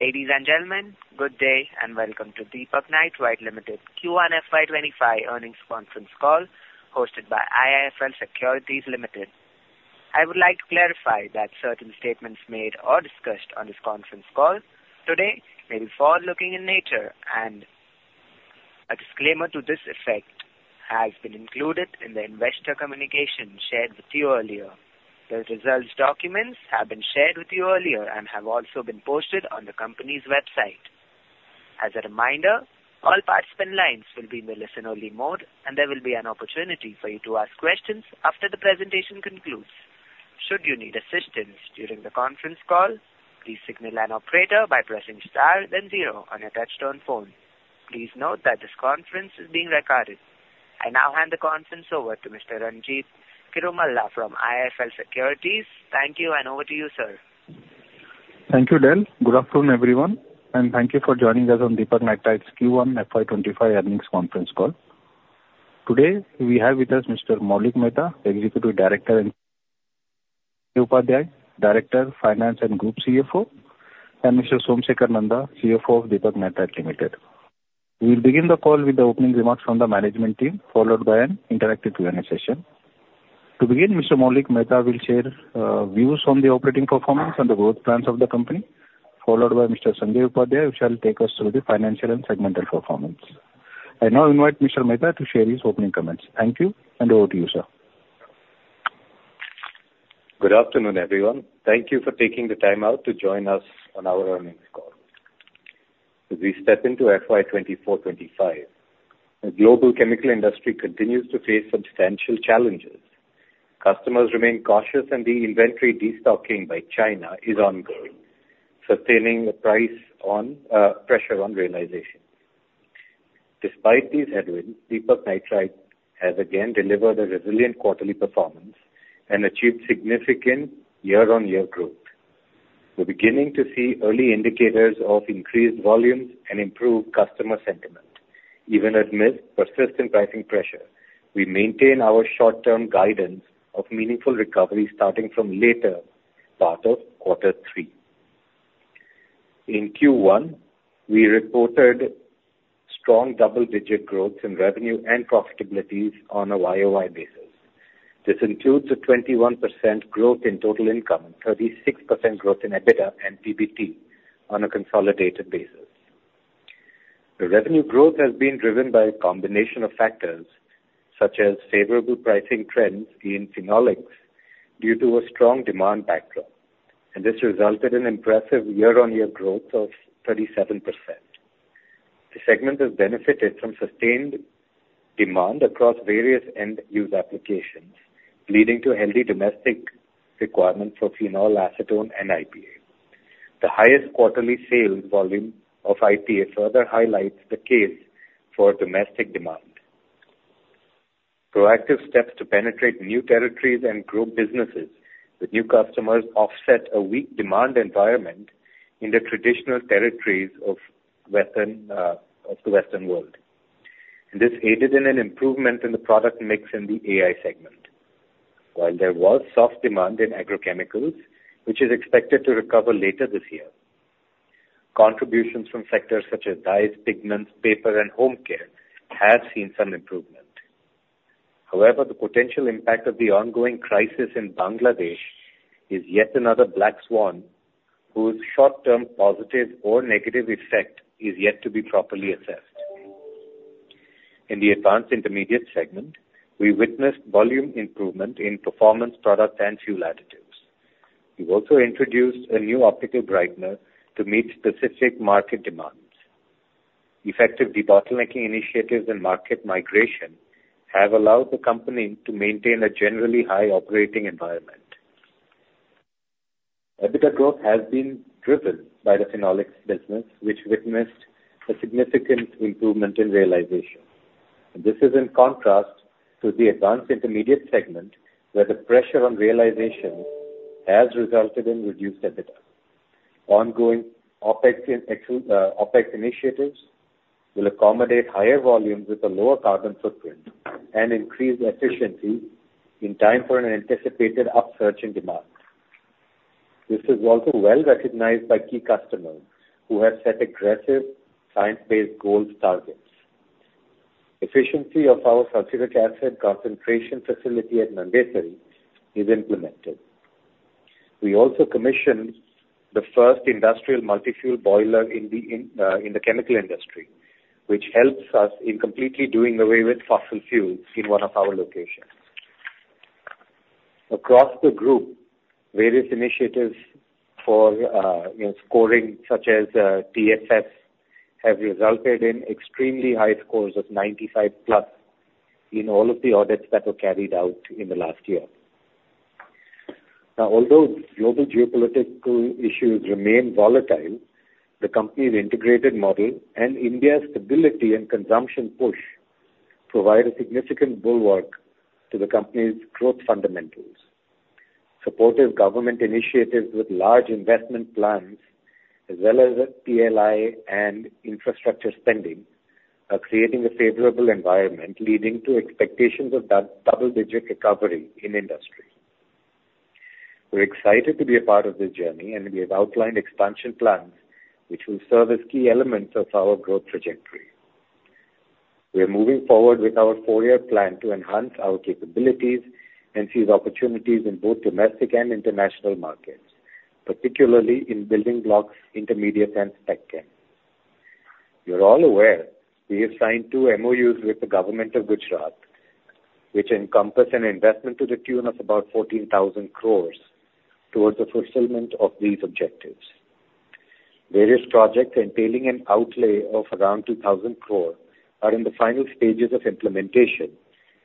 Ladies and gentlemen, good day, and welcome to Deepak Nitrite Limited Q1 FY 2025 earnings conference call, hosted by IIFL Securities Limited. I would like to clarify that certain statements made or discussed on this conference call today may be forward-looking in nature, and a disclaimer to this effect has been included in the investor communication shared with you earlier. The results documents have been shared with you earlier and have also been posted on the company's website. As a reminder, all participant lines will be in the listen-only mode, and there will be an opportunity for you to ask questions after the presentation concludes. Should you need assistance during the conference call, please signal an operator by pressing star then zero on your touchtone phone. Please note that this conference is being recorded. I now hand the conference over to Mr. Ranjit Cirumalla from IIFL Securities. Thank you, and over to you, sir. Thank you, Dale. Good afternoon, everyone, and thank you for joining us on Deepak Nitrite's Q1 FY 2025 earnings conference call. Today, we have with us Mr. Maulik Mehta, Executive Director, and Sanjay Upadhyay, Director of Finance and Group CFO, and Mr. Somsekhar Nanda, CFO of Deepak Nitrite Limited. We'll begin the call with the opening remarks from the management team, followed by an interactive Q&A session. To begin, Mr. Maulik Mehta will share views on the operating performance and the growth plans of the company, followed by Mr. Sanjay Upadhyay, who shall take us through the financial and segmental performance. I now invite Mr. Mehta to share his opening comments. Thank you, and over to you, sir. Good afternoon, everyone. Thank you for taking the time out to join us on our earnings call. As we step into FY 2024-2025, the global chemical industry continues to face substantial challenges. Customers remain cautious, and the inventory destocking by China is ongoing, sustaining the price pressure on realization. Despite these headwinds, Deepak Nitrite has again delivered a resilient quarterly performance and achieved significant year-on-year growth. We're beginning to see early indicators of increased volumes and improved customer sentiment. Even amidst persistent pricing pressure, we maintain our short-term guidance of meaningful recovery starting from later part of quarter three. In Q1, we reported strong double-digit growth in revenue and profitabilities on a YOY basis. This includes a 21% growth in total income and 36% growth in EBITDA and PBT on a consolidated basis. The revenue growth has been driven by a combination of factors, such as favorable pricing trends in Phenolics due to a strong demand backdrop, and this resulted in impressive year-on-year growth of 37%. The segment has benefited from sustained demand across various end-use applications, leading to healthy domestic requirements for phenol, acetone, and IPA. The highest quarterly sales volume of IPA further highlights the case for domestic demand. Proactive steps to penetrate new territories and grow businesses with new customers offset a weak demand environment in the traditional territories of Western, of the Western world, and this aided in an improvement in the product mix in the AI segment. While there was soft demand in agrochemicals, which is expected to recover later this year, contributions from sectors such as dyes, pigments, paper, and home care have seen some improvement. However, the potential impact of the ongoing crisis in Bangladesh is yet another black swan, whose short-term positive or negative effect is yet to be properly assessed. In the Advanced Intermediates segment, we witnessed volume improvement in performance product and fuel additives. We've also introduced a new optical brightener to meet specific market demands. Effective debottlenecking initiatives and market migration have allowed the company to maintain a generally high operating environment. EBITDA growth has been driven by the Phenolics business, which witnessed a significant improvement in realization, and this is in contrast to the Advanced Intermediates segment, where the pressure on realization has resulted in reduced EBITDA. Ongoing OpEx initiatives will accommodate higher volumes with a lower carbon footprint and increase efficiency in time for an anticipated upsurge in demand. This is also well recognized by key customers, who have set aggressive, science-based goals targets. Efficiency of our sulfuric acid concentration facility at Nandesari is implemented. We also commissioned the first industrial multi-fuel boiler in the chemical industry, which helps us in completely doing away with fossil fuels in one of our locations. Across the group, various initiatives for, you know, scoring, such as, TfS, have resulted in extremely high scores of 95+ in all of the audits that were carried out in the last year. Now, although global geopolitical issues remain volatile, the company's integrated model and India's stability and consumption push provide a significant bulwark to the company's growth fundamentals. Supportive government initiatives with large investment plans, as well as PLI and infrastructure spending, are creating a favorable environment, leading to expectations of double-digit recovery in industry. We're excited to be a part of this journey, and we have outlined expansion plans which will serve as key elements of our growth trajectory. We are moving forward with our four-year plan to enhance our capabilities and seize opportunities in both domestic and international markets, particularly in building blocks, intermediates, and spec chem. You're all aware, we have signed 2 MOUs with the government of Gujarat, which encompass an investment to the tune of about 14,000 crore towards the fulfillment of these objectives. Various projects entailing an outlay of around 2,000 crore are in the final stages of implementation,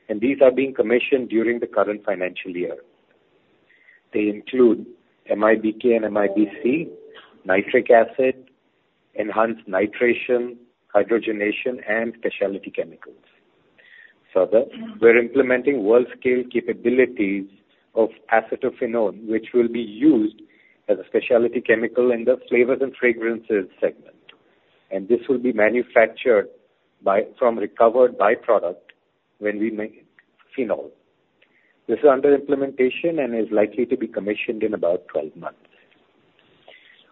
and these are being commissioned during the current financial year. They include MIBK and MIBC, nitric acid, enhanced nitration, hydrogenation, and specialty chemicals. Further, we're implementing world-scale capabilities of acetophenone, which will be used as a specialty chemical in the flavors and fragrances segment, and this will be manufactured from recovered by-product when we make phenol. This is under implementation and is likely to be commissioned in about 12 months.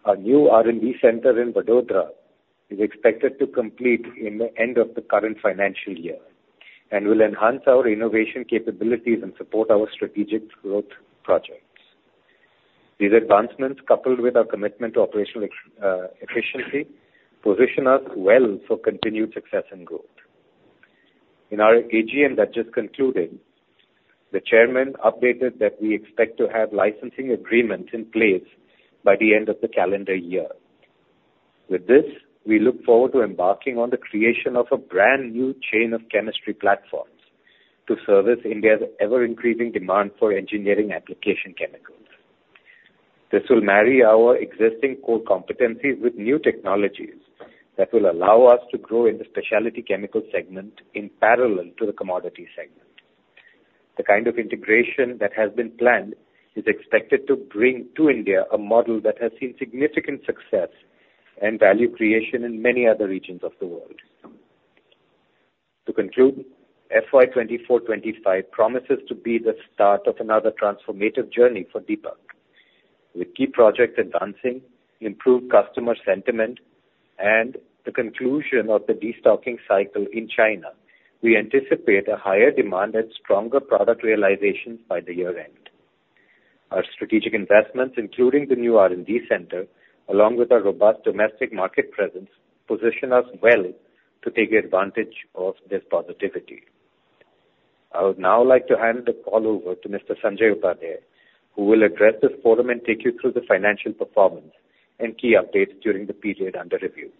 Our new R&D center in Vadodara is expected to complete in the end of the current financial year and will enhance our innovation capabilities and support our strategic growth projects. These advancements, coupled with our commitment to operational OpEx efficiency, position us well for continued success and growth. In our AGM that just concluded, the chairman updated that we expect to have licensing agreements in place by the end of the calendar year. With this, we look forward to embarking on the creation of a brand new chain of chemistry platforms to service India's ever-increasing demand for engineering application chemicals. This will marry our existing core competencies with new technologies that will allow us to grow in the specialty chemical segment in parallel to the commodity segment. The kind of integration that has been planned is expected to bring to India a model that has seen significant success and value creation in many other regions of the world. To conclude, FY 2024-2025 promises to be the start of another transformative journey for Deepak. With key projects advancing, improved customer sentiment, and the conclusion of the destocking cycle in China, we anticipate a higher demand and stronger product realizations by the year-end. Our strategic investments, including the new R&D center, along with our robust domestic market presence, position us well to take advantage of this positivity. I would now like to hand the call over to Mr. Sanjay Upadhyay, who will address this forum and take you through the financial performance and key updates during the period under review.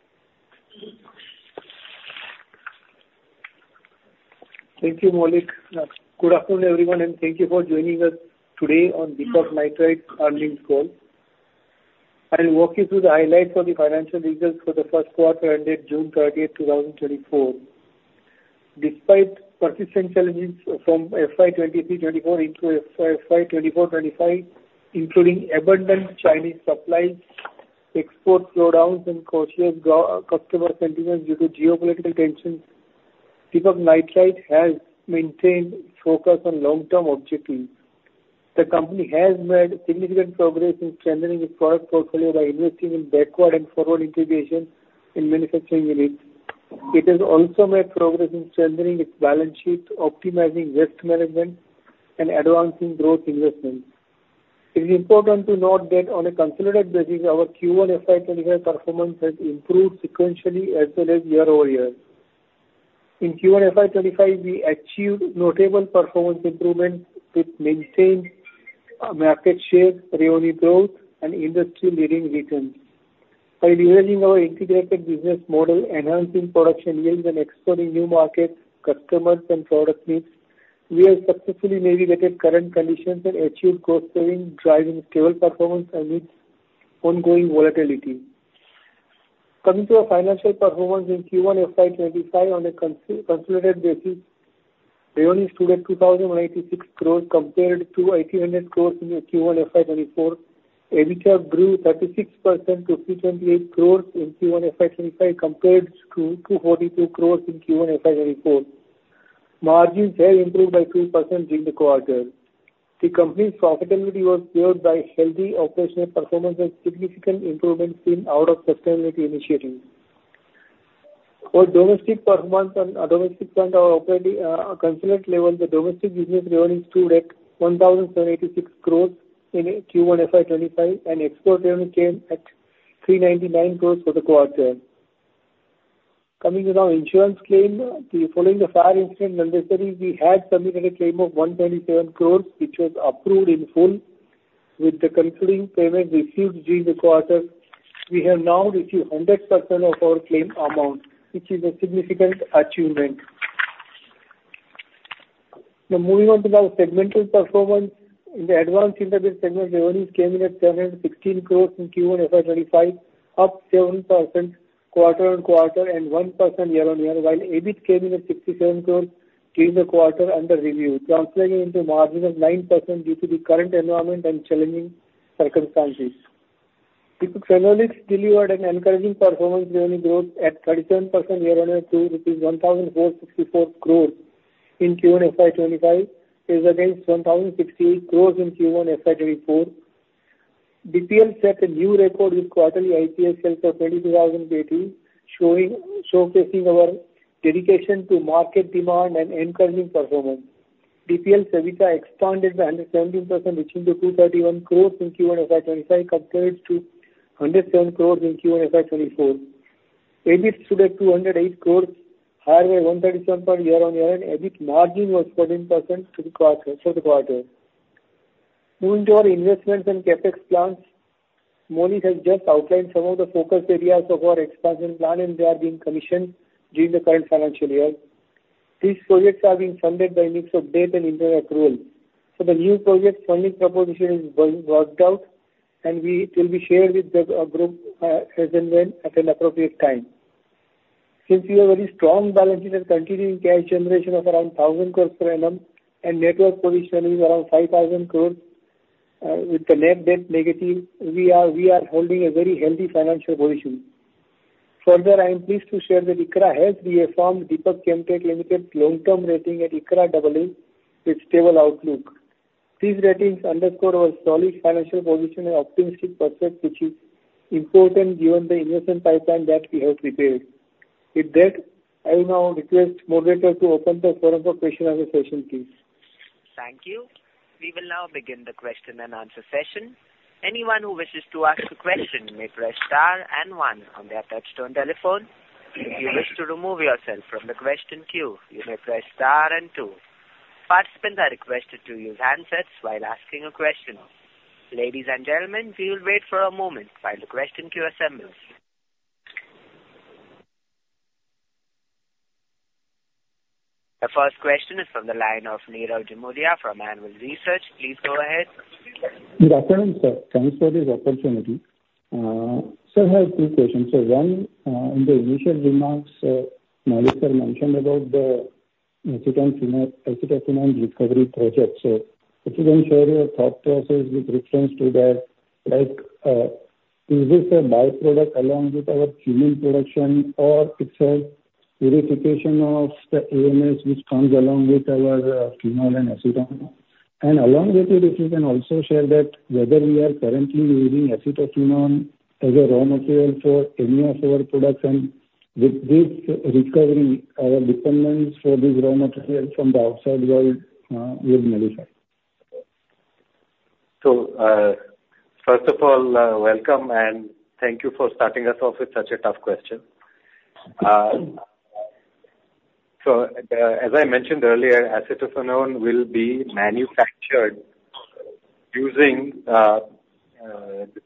Thank you, Maulik. Good afternoon, everyone, and thank you for joining us today on Deepak Nitrite earnings call. I'll walk you through the highlights of the financial results for the first quarter ended June 30th, 2024. Despite persistent challenges from FY 2023-2024 into FY 2024-2025, including abundant Chinese supplies, export slowdowns and cautious customer sentiment due to geopolitical tensions, Deepak Nitrite has maintained focus on long-term objectives. The company has made significant progress in strengthening its product portfolio by investing in backward and forward integration in manufacturing units. It has also made progress in strengthening its balance sheet, optimizing risk management, and advancing growth investments. It is important to note that on a consolidated basis, our Q1 FY 2025 performance has improved sequentially as well as year-over-year. In Q1 FY 2025, we achieved notable performance improvements, with maintained market share, revenue growth, and industry-leading returns. By leveraging our integrated business model, enhancing production yields, and exploring new markets, customers, and product needs, we have successfully navigated current conditions and achieved growth saving, driving stable performance amidst ongoing volatility. Coming to our financial performance in Q1 FY 2025 on a consolidated basis, revenues stood at 2,186 crores compared to 1,800 crores in Q1 FY 2024. EBITDA grew 36% to 58 crores in Q1 FY 2025 compared to 242 crores in Q1 FY 2024. Margins have improved by 2% during the quarter. The company's profitability was fueled by healthy operational performance and significant improvements in our sustainability initiatives. For domestic performance on a domestic front, our operating, on a consolidated level, the domestic business revenues stood at 1,786 crores in Q1 FY 2025, and export revenue came at 399 crores for the quarter. Coming to our insurance claim, following the fire incident in Andheri, we had submitted a claim of 127 crores, which was approved in full, with the concluding payment received during the quarter. We have now received 100% of our claim amount, which is a significant achievement. Now moving on to our segmental performance. In the Advanced Intermediates segment, revenues came in at INR 716 crores in Q1 FY 2025, up 7% quarter-on-quarter and 1% year-on-year, while EBIT came in at 67 crores in the quarter under review, translating into a margin of 9% due to the current environment and challenging circumstances. Phenolics delivered an encouraging performance revenue growth at 37% year-on-year to INR 1,464 crore in Q1 FY 2025, as against 1,068 crore in Q1 FY 2024. DPL set a new record with quarterly IPA sales of 22,000 MT, showing, showcasing our dedication to market demand and encouraging performance. DPL's EBITDA expanded by 117%, reaching to 231 crore in Q1 FY 2025, compared to 107 crore in Q1 FY 2024. EBIT stood at 208 crore, higher by 137-point year-on-year, and EBIT margin was 13% for the quarter, for the quarter. Moving to our investments and CapEx plans, Maulik has just outlined some of the focus areas of our expansion plan, and they are being commissioned during the current financial year. These projects are being funded by a mix of debt and internal accrual. So the new project funding proposition is being worked out, and it will be shared with the group, as and when, at an appropriate time. Since we have very strong balance sheet and continuing cash generation of around 1,000 crores per annum and network position is around 5,000 crores, with the net debt negative, we are, we are holding a very healthy financial position. Further, I am pleased to share that ICRA has reaffirmed Deepak Chem Tech Limited's long-term rating at ICRA AA with stable outlook. These ratings underscore our solid financial position and optimistic perspective, which is important given the investment pipeline that we have prepared. With that, I will now request moderator to open the forum for question-and-answer session, please. Thank you. We will now begin the question and answer session. Anyone who wishes to ask a question may press star and one on their touchtone telephone. If you wish to remove yourself from the question queue, you may press star and two. Participants are requested to use handsets while asking a question. Ladies and gentlemen, we will wait for a moment while the question queue assembles. The first question is from the line of Nirav Jimudia from Anvil Research. Please go ahead. Good afternoon, sir. Thanks for this opportunity. So I have two questions. So one, in the initial remarks, Maulik, sir, mentioned about the acetophenone, acetophenone recovery project, sir. If you can share your thought process with reference to that, like, is this a by-product along with our phenol production, or it's a purification of the AMS which comes along with our, phenol and acetophenone? And along with it, if you can also share that whether we are currently using acetophenone as a raw material for any of our production, with this recovery, our dependence for this raw material from the outside world will minimize. So, first of all, welcome, and thank you for starting us off with such a tough question. As I mentioned earlier, acetophenone will be manufactured using the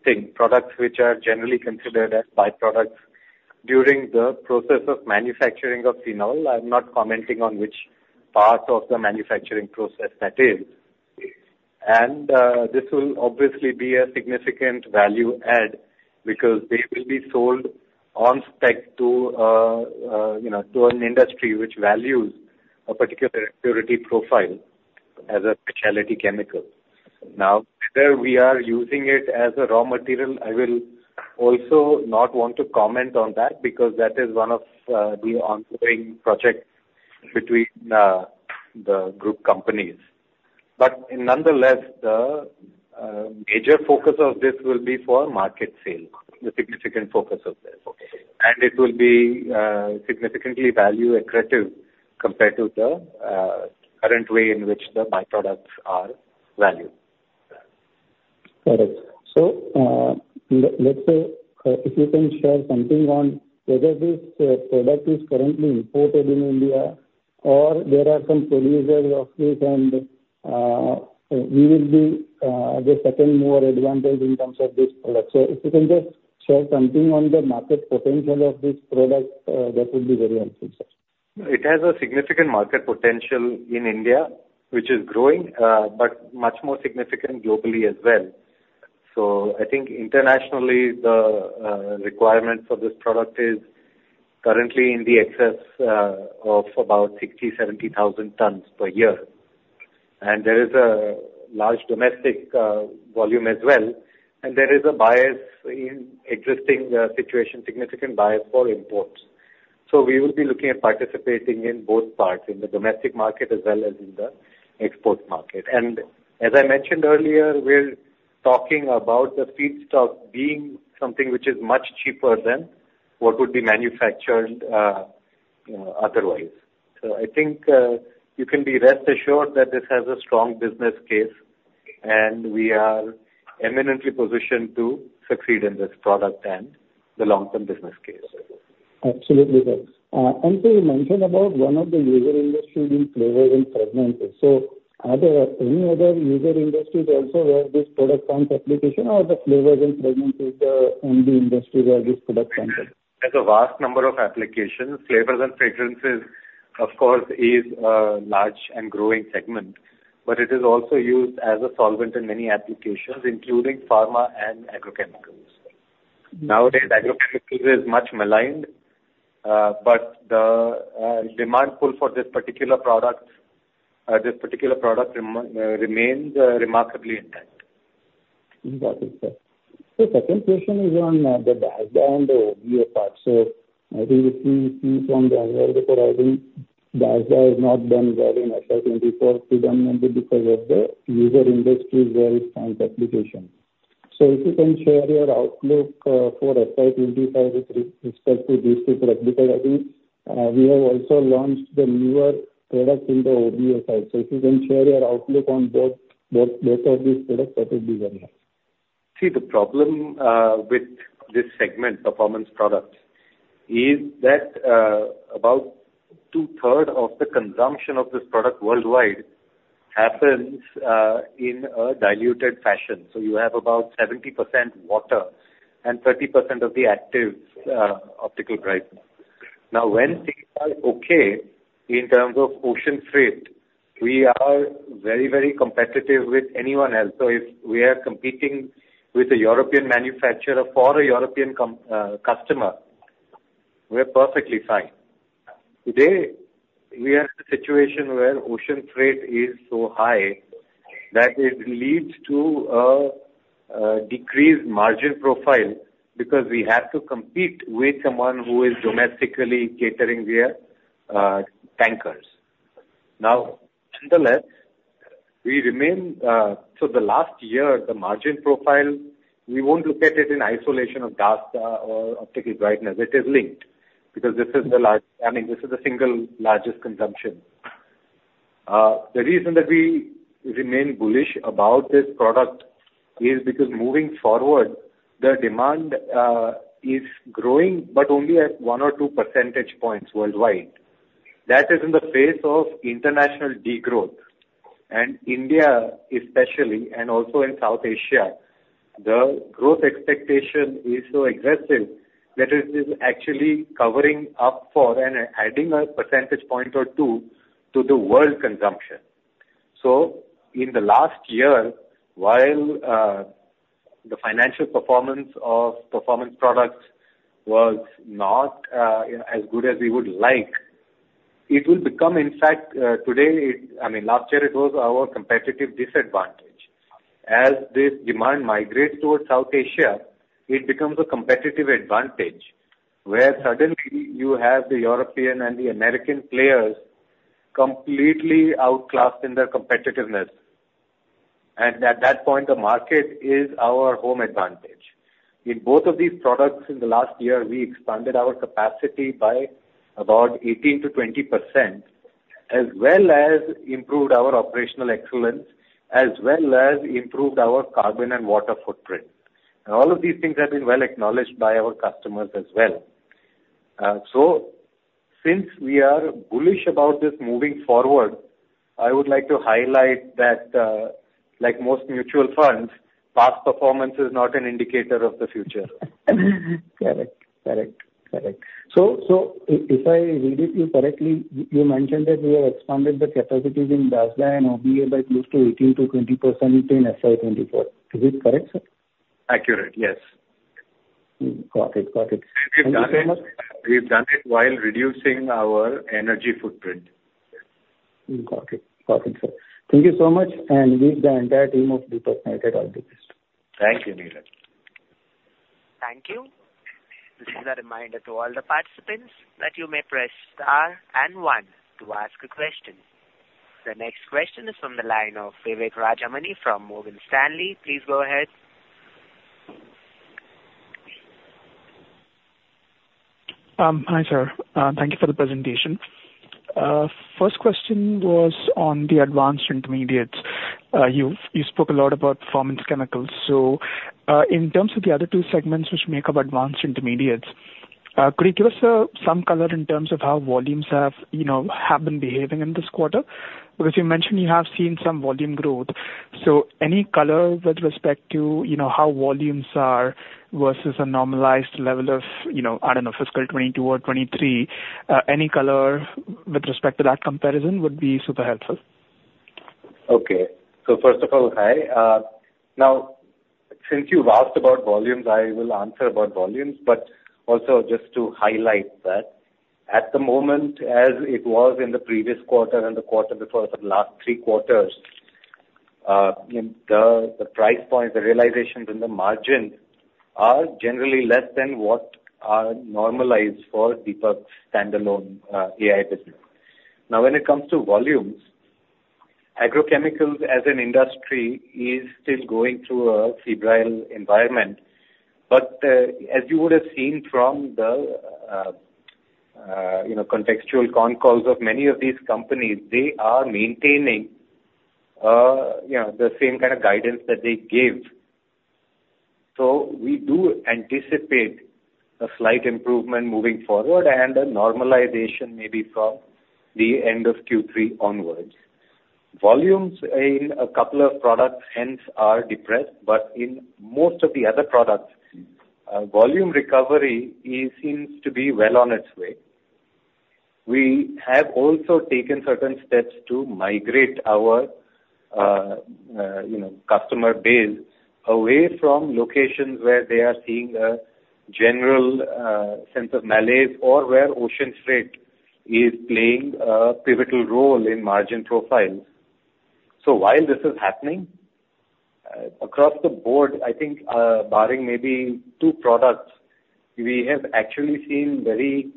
same products which are generally considered as by-products during the process of manufacturing of phenol. I'm not commenting on which part of the manufacturing process that is. This will obviously be a significant value add, because they will be sold on spec to you know, to an industry which values a particular purity profile as a specialty chemical. Now, whether we are using it as a raw material, I will also not want to comment on that, because that is one of the ongoing projects between the group companies. But nonetheless, the major focus of this will be for market sale, the significant focus of this. Okay. It will be significantly value accretive compared to the current way in which the by-products are valued. Got it. So, let's say, if you can share something on whether this product is currently imported in India or there are some producers of this and we will be the second mover advantage in terms of this product. So if you can just share something on the market potential of this product, that would be very helpful, sir. It has a significant market potential in India, which is growing, but much more significant globally as well. So I think internationally, the requirement for this product is currently in excess of about 60,000-70,000 tons per year. And there is a large domestic volume as well, and there is a bias in existing situation, significant bias for imports. So we will be looking at participating in both parts, in the domestic market as well as in the export market. And as I mentioned earlier, we're talking about the feedstock being something which is much cheaper than what would be manufactured otherwise. So I think you can be rest assured that this has a strong business case, and we are eminently positioned to succeed in this product and the long-term business case. Absolutely, sir. And so you mentioned about one of the user industries being flavors and fragrances. Are there any other user industries also, where this product finds application, or the flavors and fragrances is the only industry where this product finds application? There's a vast number of applications. Flavors and fragrances, of course, is a large and growing segment, but it is also used as a solvent in many applications, including pharma and agrochemicals. Nowadays, agrochemicals is much maligned, but the demand pull for this particular product remains remarkably intact. Got it, sir. The second question is on the Advanced Intermediates. So I think we see from the Advanced Intermediates, has not done well in FY 2024, predominantly because of the user industry where it finds application. So if you can share your outlook for FY 2025 with respect to this product, because I think we have also launched the newer product in the OBA side. So if you can share your outlook on both of these products, that would be very nice. See, the problem with this segment, Performance Products, is that about two-thirds of the consumption of this product worldwide happens in a diluted fashion. So you have about 70% water and 30% of the active optical brightener. Now, when things are okay in terms of ocean freight, we are very, very competitive with anyone else. So if we are competing with a European manufacturer for a European customer, we're perfectly fine. Today, we are in a situation where ocean freight is so high that it leads to a decreased margin profile, because we have to compete with someone who is domestically catering their tankers. Now, nonetheless, we remain. So the last year, the margin profile, we won't look at it in isolation of DASDA or optical brightener. It is linked, because this is the large, I mean, this is the single largest consumption. The reason that we remain bullish about this product is because moving forward, the demand is growing, but only at one or two percentage points worldwide. That is in the face of international degrowth. And India especially, and also in South Asia, the growth expectation is so aggressive that it is actually covering up for and adding a percentage point or two to the world consumption. So in the last year, while the financial performance of Performance Products was not as good as we would like, it will become, in fact, today it, I mean, last year it was our competitive disadvantage. As this demand migrates towards South Asia, it becomes a competitive advantage, where suddenly you have the European and the American players completely outclassed in their competitiveness. At that point, the market is our home advantage. In both of these products, in the last year, we expanded our capacity by about 18%-20%, as well as improved our operational excellence, as well as improved our carbon and water footprint. All of these things have been well acknowledged by our customers as well. Since we are bullish about this moving forward, I would like to highlight that, like most mutual funds, past performance is not an indicator of the future. Correct. Correct. Correct. So, if I read you correctly, you mentioned that you have expanded the capacities in DASDA and OBA by close to 18%-20% in FY 2024. Is it correct, sir? Accurate, yes. Got it. Got it. We've done it, we've done it while reducing our energy footprint. Got it. Got it, sir. Thank you so much, and wish the entire team of Deepak Nitrite all the best. Thank you, Nirav. Thank you. This is a reminder to all the participants that you may press Star and One to ask a question. The next question is from the line of Vivek Rajamani from Morgan Stanley. Please go ahead. Hi, sir. Thank you for the presentation. First question was on the Advanced Intermediates. You spoke a lot about performance chemicals. So, in terms of the other two segments which make up Advanced Intermediates, could you give us some color in terms of how volumes have, you know, been behaving in this quarter? Because you mentioned you have seen some volume growth. So any color with respect to, you know, how volumes are versus a normalized level of, you know, I don't know, fiscal 2022 or 2023, any color with respect to that comparison would be super helpful. Okay. So first of all, hi. Now, since you've asked about volumes, I will answer about volumes, but also just to highlight that at the moment, as it was in the previous quarter and the quarter before, for the last three quarters, the price point, the realizations in the margins are generally less than what are normalized for Deepak's standalone AI business. Now, when it comes to volumes, agrochemicals as an industry is still going through a febrile environment. But as you would have seen from the you know, contextual con calls of many of these companies, they are maintaining you know, the same kind of guidance that they gave. So we do anticipate a slight improvement moving forward and a normalization maybe from the end of Q3 onwards. Volumes in a couple of products hence are depressed, but in most of the other products, volume recovery it seems to be well on its way. We have also taken certain steps to migrate our you know, customer base away from locations where they are seeing a general, sense of malaise or where ocean freight is playing a pivotal role in margin profiles. So while this is happening, across the board, I think, barring maybe two products, we have actually seen very,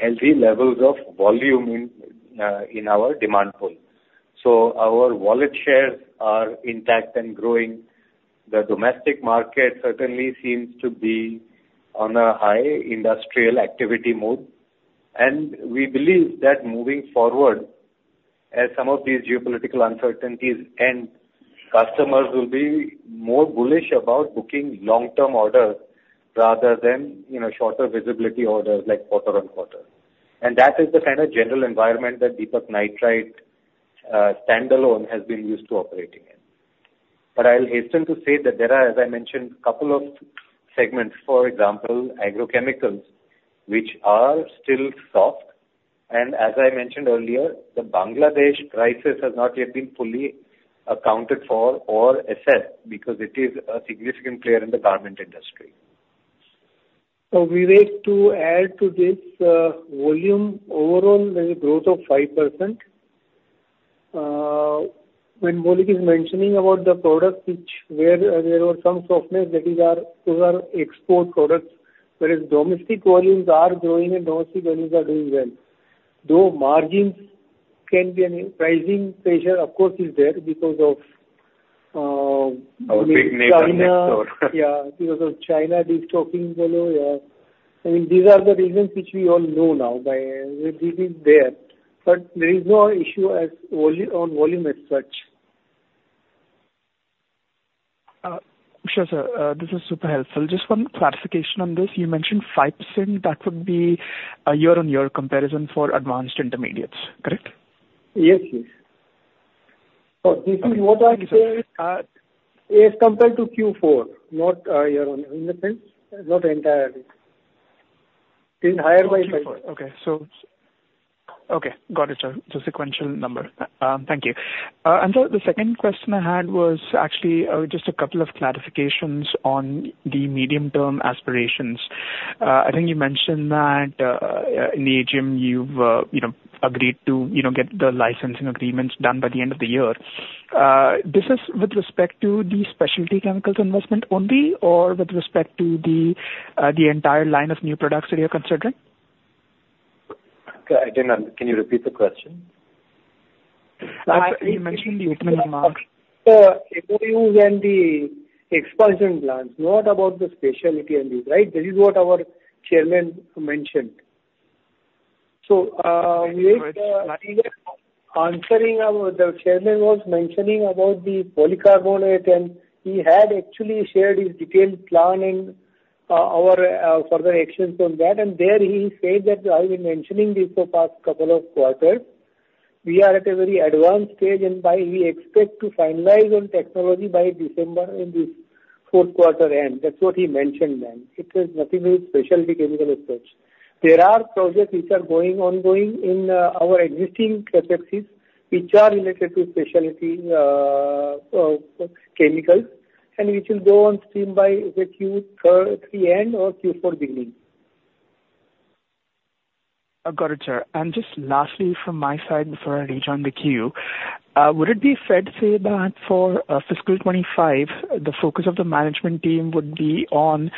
healthy levels of volume in our demand pool. So our wallet shares are intact and growing. The domestic market certainly seems to be on a high industrial activity mode, and we believe that moving forward, as some of these geopolitical uncertainties end, customers will be more bullish about booking long-term orders rather than, you know, shorter visibility orders like quarter on quarter. And that is the kind of general environment that Deepak Nitrite standalone has been used to operating in. But I'll hasten to say that there are, as I mentioned, a couple of segments, for example, agrochemicals, which are still soft. And as I mentioned earlier, the Bangladesh crisis has not yet been fully accounted for or assessed, because it is a significant player in the garment industry. So Vivek, to add to this, volume, overall, there's a growth of 5%. When Maulik is mentioning about the products which, where, there were some softness, that is our, those are export products, whereas domestic volumes are growing and domestic volumes are doing well. Though margins can be an, rising pressure, of course, is there because of Our big neighbor next door. China. Yeah, because of China, destocking followed. Yeah. I mean, these are the reasons which we all know now, but, this is there, but there is no issue as on volume and such. Sure, sir. This is super helpful. Just one clarification on this. You mentioned 5%, that would be a year-on-year comparison for Advanced Intermediates, correct? Yes, yes. So this is what I said. As compared to Q4, not year on year. In the sense, not entirely. In higher by Q4. Okay, so, okay, got it, sir. So sequential number. Thank you. And so the second question I had was actually just a couple of clarifications on the medium-term aspirations. I think you mentioned that in the AGM you've you know agreed to you know get the licensing agreements done by the end of the year. This is with respect to the specialty chemicals investment only, or with respect to the the entire line of new products that you're considering? Okay, I didn't understand. Can you repeat the question? You mentioned the- The MOUs and the expansion plans, not about the specialty and these, right? This is what our chairman mentioned. So, answering our, the chairman was mentioning about the polycarbonate, and he had actually shared his detailed planning, our further actions on that. And there he said that I've been mentioning this for the past couple of quarters. We are at a very advanced stage, and by, we expect to finalize on technology by December, in the fourth quarter end. That's what he mentioned then. It has nothing to do with specialty chemical research. There are projects which are going, ongoing in our existing capacities, which are related to specialty chemicals, and which will go on stream by the Q3 end or Q4 beginning. Got it, sir. Just lastly from my side, before I rejoin the queue, would it be fair to say that for fiscal 2025, the focus of the management team would be on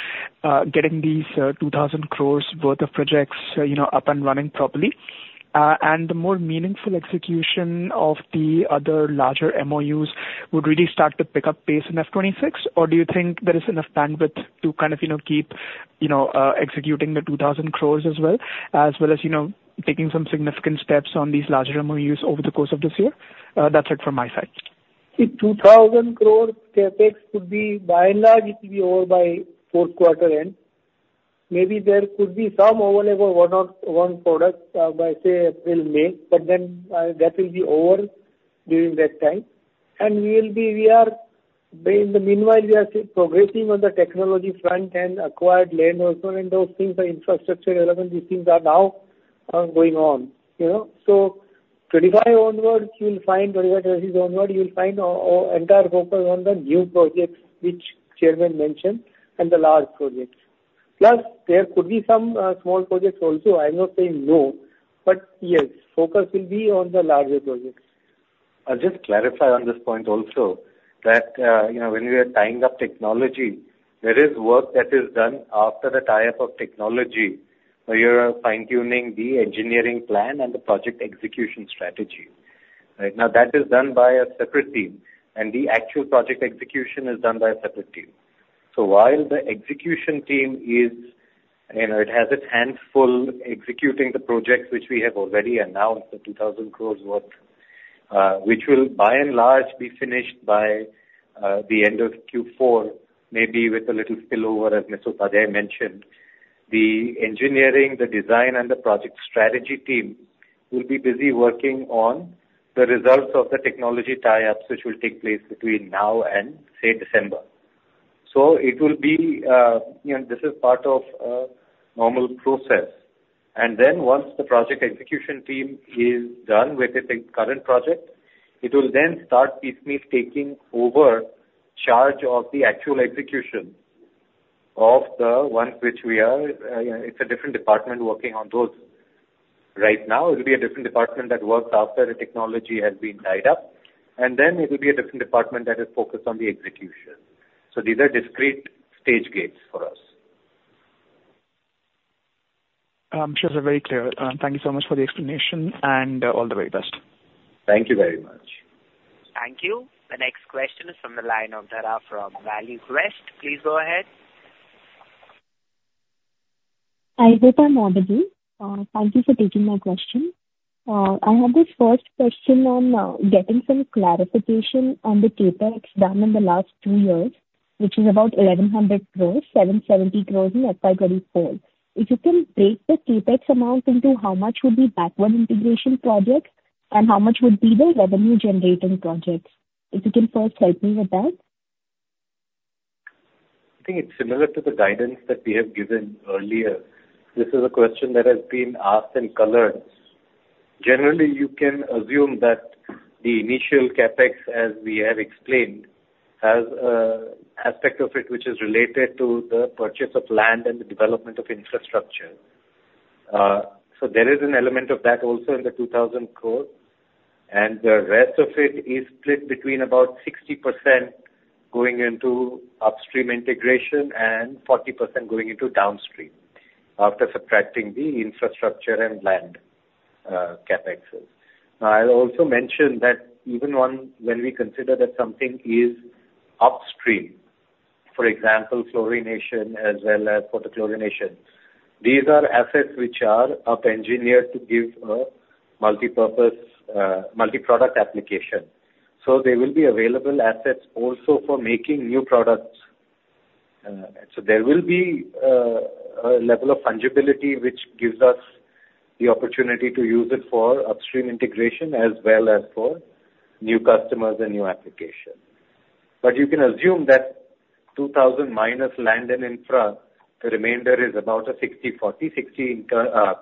getting these 2,000 crore worth of projects you know up and running properly? The more meaningful execution of the other larger MOUs would really start to pick up pace in FY 2026, or do you think there is enough bandwidth to kind of you know keep you know executing the 2,000 crore as well as well as you know taking some significant steps on these larger MOUs over the course of this year? That's it from my side. The 2,000 crore CapEx could be, by and large, it will be over by fourth quarter end. Maybe there could be some overlap of one or one product by, say, April, May, but then, that will be over during that time. And we will be, we are, in the meanwhile, we are still progressing on the technology front and acquired land also, and those things are infrastructure relevant. These things are now going on, you know? So 2025 onwards, you'll find, 2025 onwards, you'll find our, our entire focus on the new projects, which chairman mentioned and the large projects. Plus, there could be some small projects also. I'm not saying no, but yes, focus will be on the larger projects. I'll just clarify on this point also, that, you know, when we are tying up technology, there is work that is done after the tie-up of technology, where you are fine-tuning the engineering plan and the project execution strategy. Right now, that is done by a separate team, and the actual project execution is done by a separate team. So while the execution team is, you know, it has its hands full executing the projects, which we have already announced, the 2,000 crore worth, which will by and large, be finished by the end of Q4, maybe with a little spillover, as Mr. Upadhyay mentioned. The engineering, the design, and the project strategy team will be busy working on the results of the technology tie-ups, which will take place between now and, say, December. So it will be, you know, this is part of a normal process. And then once the project execution team is done with the current project, it will then start piecemeal taking over charge of the actual execution of the one which we are, you know, it's a different department working on those right now. It will be a different department that works after the technology has been tied up, and then it will be a different department that is focused on the execution. So these are discrete stage gates for us. Sure, they're very clear. Thank you so much for the explanation, and all the very best. Thank you very much. Thank you. The next question is from the line of Dhara from ValueQuest. Please go ahead. Hi, good morning. Thank you for taking my question. I have this first question on getting some clarification on the CapEx done in the last two years, which is about 1,100 crores, 770 crores in FY 2024. If you can break the CapEx amount into how much would be backward integration projects and how much would be the revenue generating projects. If you can first help me with that? I think it's similar to the guidance that we have given earlier. This is a question that has been asked in calls. Generally, you can assume that the initial CapEx, as we have explained, has an aspect of it which is related to the purchase of land and the development of infrastructure. So there is an element of that also in the 2,000 crore, and the rest of it is split between about 60% going into upstream integration and 40% going into downstream, after subtracting the infrastructure and land CapExes. I'll also mention that even on when we consider that something is upstream, for example, chlorination as well as photochlorination, these are assets which are up-engineered to give a multipurpose multi-product application. So there will be available assets also for making new products. So there will be a level of fungibility, which gives us the opportunity to use it for upstream integration as well as for new customers and new applications. But you can assume that 2,000 minus land and infra, the remainder is about a 60/40. 60 inter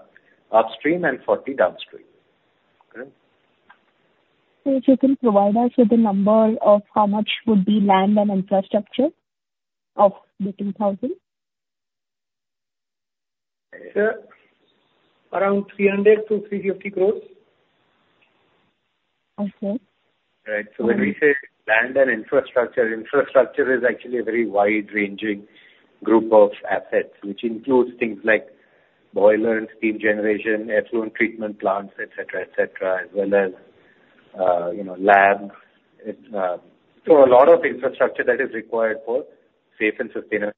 upstream and 40 downstream. Okay? If you can provide us with the number of how much would be land and infrastructure of the 2,000? Around INR 300 crore-INR 350 crore. Okay. Right. So when we say land and infrastructure, infrastructure is actually a very wide-ranging group of assets, which includes things like boiler and steam generation, effluent treatment plants, et cetera, et cetera, as well as, you know, labs. It's so a lot of infrastructure that is required for safe and sustainable-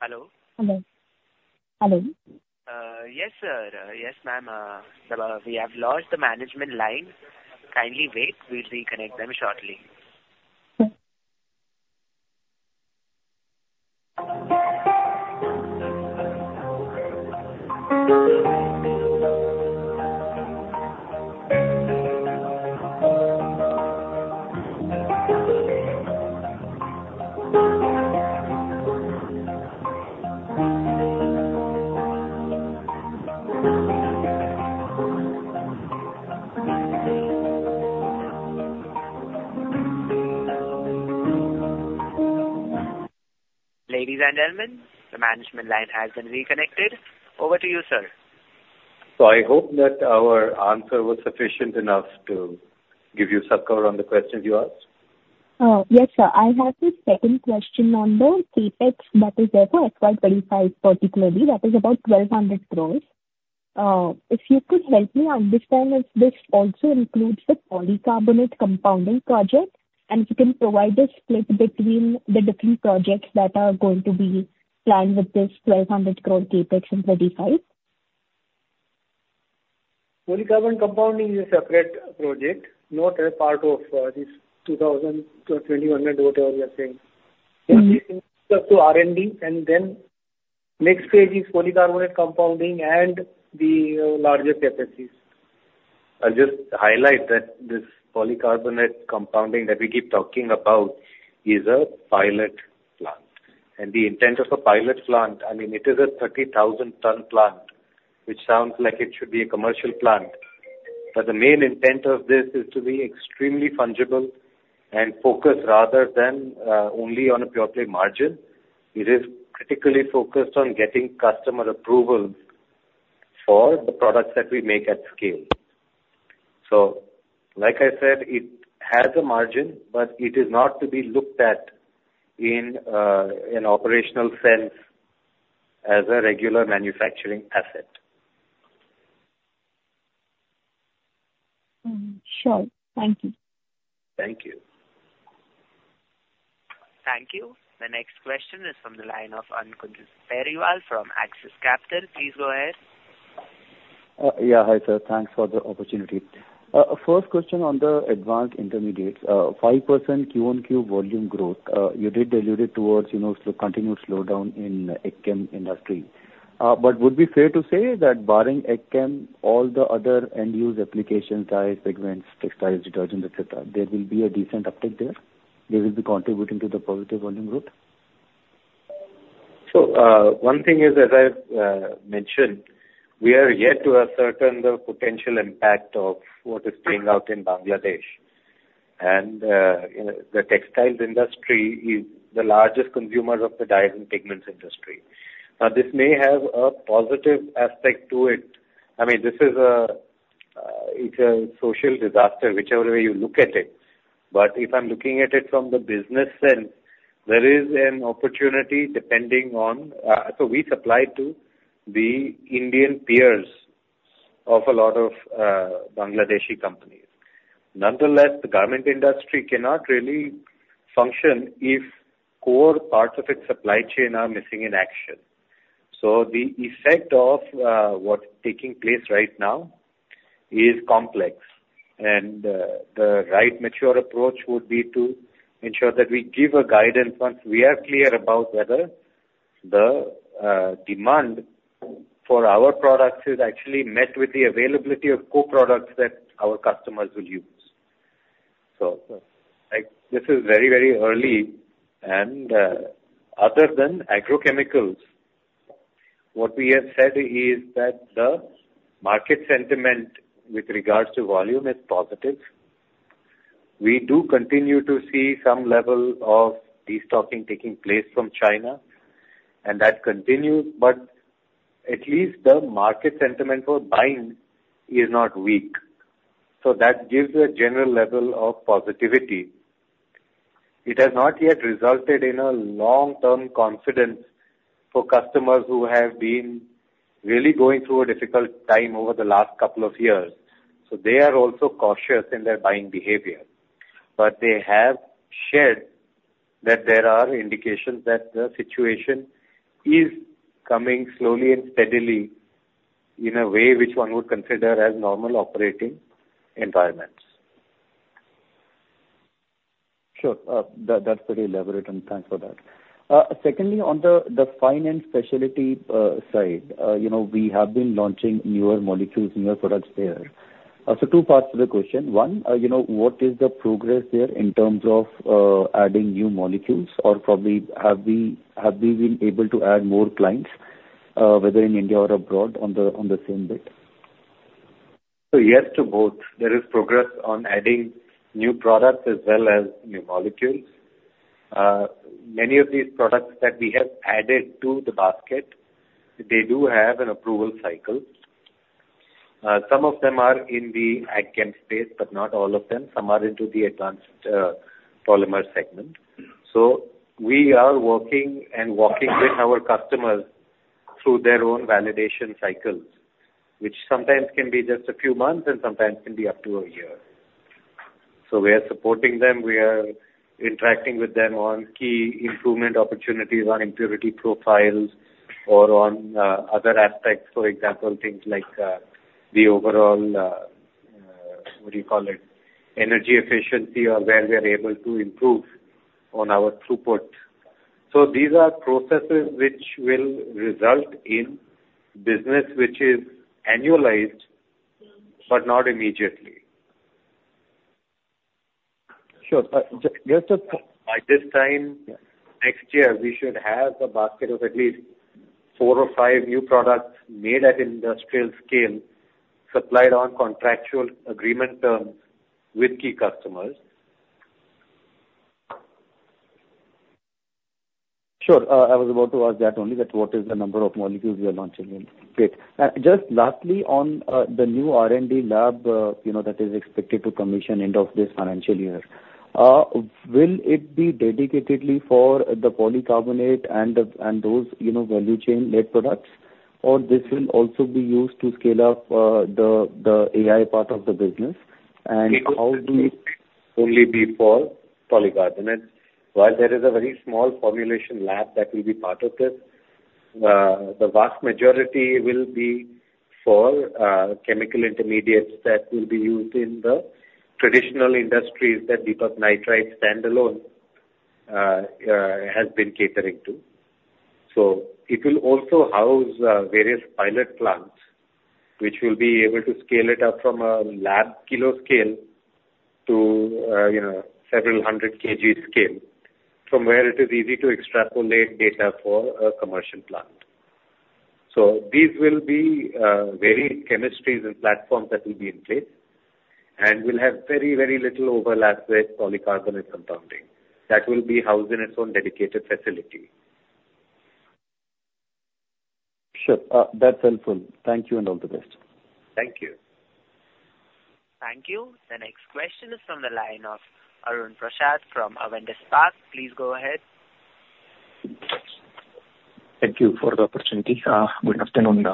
Hello? Hello. Hello. Yes, sir, yes, ma'am. We have lost the management line. Kindly wait, we'll reconnect them shortly. Okay. Ladies and gentlemen, the management line has been reconnected. Over to you, sir. I hope that our answer was sufficient enough to give you some cover on the questions you asked. Yes, sir. I have a second question on the CapEx that is there for FY 2025 particularly, that is about 1,200 crore. If you could help me understand if this also includes the polycarbonate compounding project, and if you can provide a split between the different projects that are going to be planned with this 1,200 crore CapEx in 2025. Polycarbonate compounding is a separate project, not a part of, this 2025 or whatever we are saying. Mm-hmm. Up to R&D, and then next phase is polycarbonate compounding and the larger capacities. I'll just highlight that this polycarbonate compounding that we keep talking about is a pilot plant. The intent of a pilot plant, I mean, it is a 30,000-ton plant, which sounds like it should be a commercial plant. The main intent of this is to be extremely fungible and focused rather than only on a purely margin. It is critically focused on getting customer approvals for the products that we make at scale. So, like I said, it has a margin, but it is not to be looked at in an operational sense as a regular manufacturing asset. Mm. Sure. Thank you. Thank you. Thank you. The next question is from the line of Ankur Periwal from Axis Capital. Please go ahead. Yeah. Hi, sir. Thanks for the opportunity. First question on the Advanced Intermediates, 5% Q-on-Q volume growth, you did diluted towards, you know, the continued slowdown in agchem industry. But would it be fair to say that barring agchem, all the other end user applications, dyes, pigments, textiles, detergents, et cetera, there will be a decent uptick there? They will be contributing to the positive volume growth? So, one thing is, as I've mentioned, we are yet to ascertain the potential impact of what is playing out in Bangladesh. And, you know, the textiles industry is the largest consumer of the dyes and pigments industry. Now, this may have a positive aspect to it. I mean, this is a, it's a social disaster, whichever way you look at it. But if I'm looking at it from the business sense, there is an opportunity depending on, so we supply to the Indian peers of a lot of Bangladeshi companies. Nonetheless, the garment industry cannot really function if core parts of its supply chain are missing in action. So the effect of what's taking place right now is complex, and the right mature approach would be to ensure that we give a guidance once we are clear about whether the demand for our products is actually met with the availability of co-products that our customers will use. So, like, this is very, very early and other than agrochemicals, what we have said is that the market sentiment with regards to volume is positive. We do continue to see some level of destocking taking place from China, and that continues, but at least the market sentiment for buying is not weak. So that gives a general level of positivity. It has not yet resulted in a long-term confidence for customers who have been really going through a difficult time over the last couple of years. So they are also cautious in their buying behavior. They have shared that there are indications that the situation is coming slowly and steadily in a way which one would consider as normal operating environments. Sure. That, that's pretty elaborate, and thanks for that. Secondly, on the fine and specialty side, you know, we have been launching newer molecules, newer products there. So two parts to the question. One, you know, what is the progress there in terms of adding new molecules? Or probably, have we been able to add more clients, whether in India or abroad on the same bit? So yes, to both. There is progress on adding new products as well as new molecules. Many of these products that we have added to the basket, they do have an approval cycle. Some of them are in the agchem space, but not all of them. Some are into the advanced, polymer segment. So we are working and walking with our customers through their own validation cycles, which sometimes can be just a few months and sometimes can be up to a year. So we are supporting them. We are interacting with them on key improvement opportunities, on impurity profiles or on, other aspects. For example, things like, the overall, what do you call it, energy efficiency or where we are able to improve on our throughput. So these are processes which will result in business which is annualized, but not immediately. Sure. By this time next year, we should have a basket of at least four or five new products made at industrial scale, supplied on contractual agreement terms with key customers. Sure. I was about to ask that only, that what is the number of molecules you are launching in? Great. Just lastly, on the new R&D lab, you know, that is expected to commission end of this financial year. Will it be dedicatedly for the polycarbonate and the, and those, you know, value chain led products, or this will also be used to scale up, the AI part of the business? And how do you Only be for polycarbonate. While there is a very small formulation lab that will be part of this, the vast majority will be for chemical intermediates that will be used in the traditional industries that Deepak Nitrite standalone has been catering to. So it will also house various pilot plants, which will be able to scale it up from a lab kilo scale to, you know, several hundred kg scale, from where it is easy to extrapolate data for a commercial plant. So these will be varied chemistries and platforms that will be in place and will have very, very little overlap with polycarbonate compounding. That will be housed in its own dedicated facility. Sure. That's helpful. Thank you, and all the best. Thank you. Thank you. The next question is from the line of Arun Prasath from Avendus Spark. Please go ahead. Thank you for the opportunity. Good afternoon,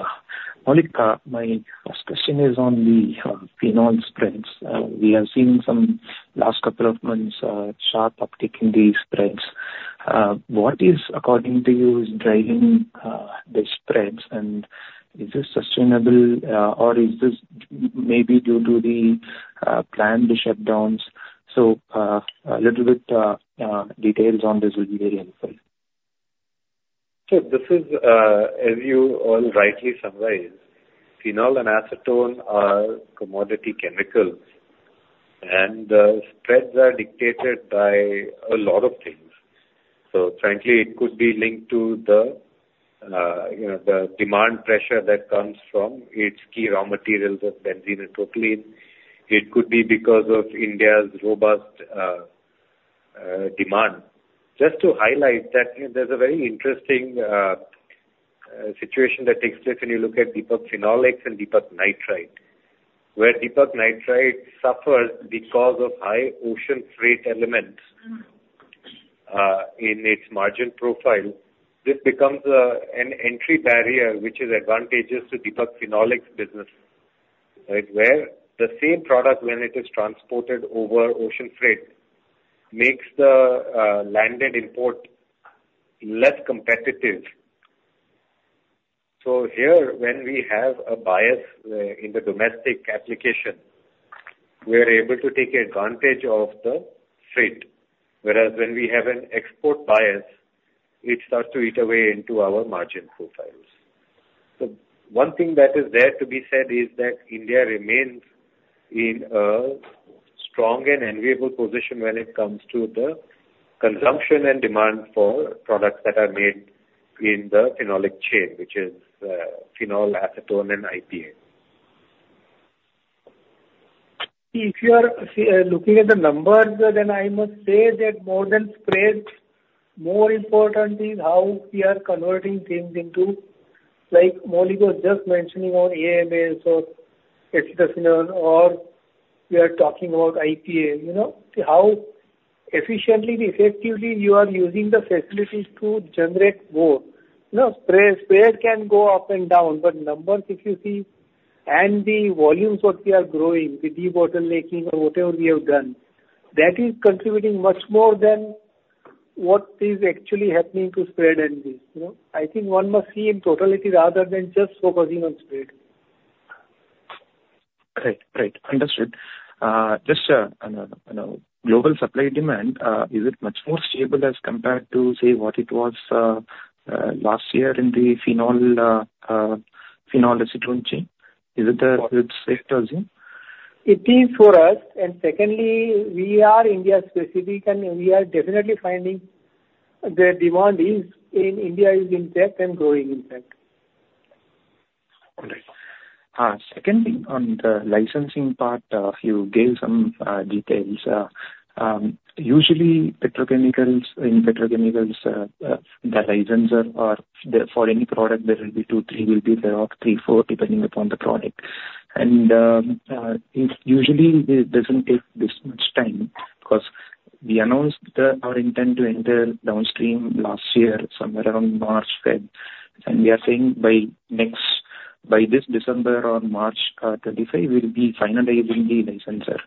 Maulik. My first question is on the phenol spreads. We have seen some last couple of months sharp uptick in the spreads. What is, according to you, driving the spreads? And is this sustainable, or is this maybe due to the planned shutdowns? So, a little bit details on this will be very helpful. So this is, as you all rightly summarized, phenol and acetone are commodity chemicals, and, spreads are dictated by a lot of things. So frankly, it could be linked to the, you know, the demand pressure that comes from its key raw materials of benzene and toluene. It could be because of India's robust demand. Just to highlight that there's a very interesting situation that takes place when you look at Deepak Phenolics and Deepak Nitrite. Where Deepak Nitrite suffers because of high ocean freight elements in its margin profile, this becomes an entry barrier, which is advantageous to Deepak Phenolics business, right? Where the same product, when it is transported over ocean freight, makes the landed import less competitive. So here, when we have a bias in the domestic application, we are able to take advantage of the freight. Whereas when we have an export bias, it starts to eat away into our margin profiles. So one thing that is there to be said is that India remains in a strong and enviable position when it comes to the consumption and demand for products that are made in the phenolic chain, which is phenol, acetone, and IPA. If you are looking at the numbers, then I must say that more than spreads, more important is how we are converting things into like Maulik was just mentioning on AMAs or acetophenone, or we are talking about IPA. You know, how efficiently and effectively you are using the facilities to generate more. You know, spread, spread can go up and down, but numbers, if you see, and the volumes what we are growing with debottlenecking or whatever we have done, that is contributing much more than what is actually happening to spread and this, you know? I think one must see in totality rather than just focusing on spread. Right. Right. Understood. Just, you know, global supply and demand, is it much more stable as compared to, say, what it was, last year in the phenol acetone chain? Is it, it's stable chain? It is for us, and secondly, we are India-specific, and we are definitely finding the demand is in India is intact and growing intact. All right. Secondly, on the licensing part, if you gave some details. Usually petrochemicals, in petrochemicals, the licensor are there for any product, there will be 2, 3 will be there, or 3, 4, depending upon the product. It usually doesn't take this much time, 'cause we announced our intent to enter downstream last year, somewhere around March, February, and we are saying by this December or March 2025, we'll be finalizing the licensor.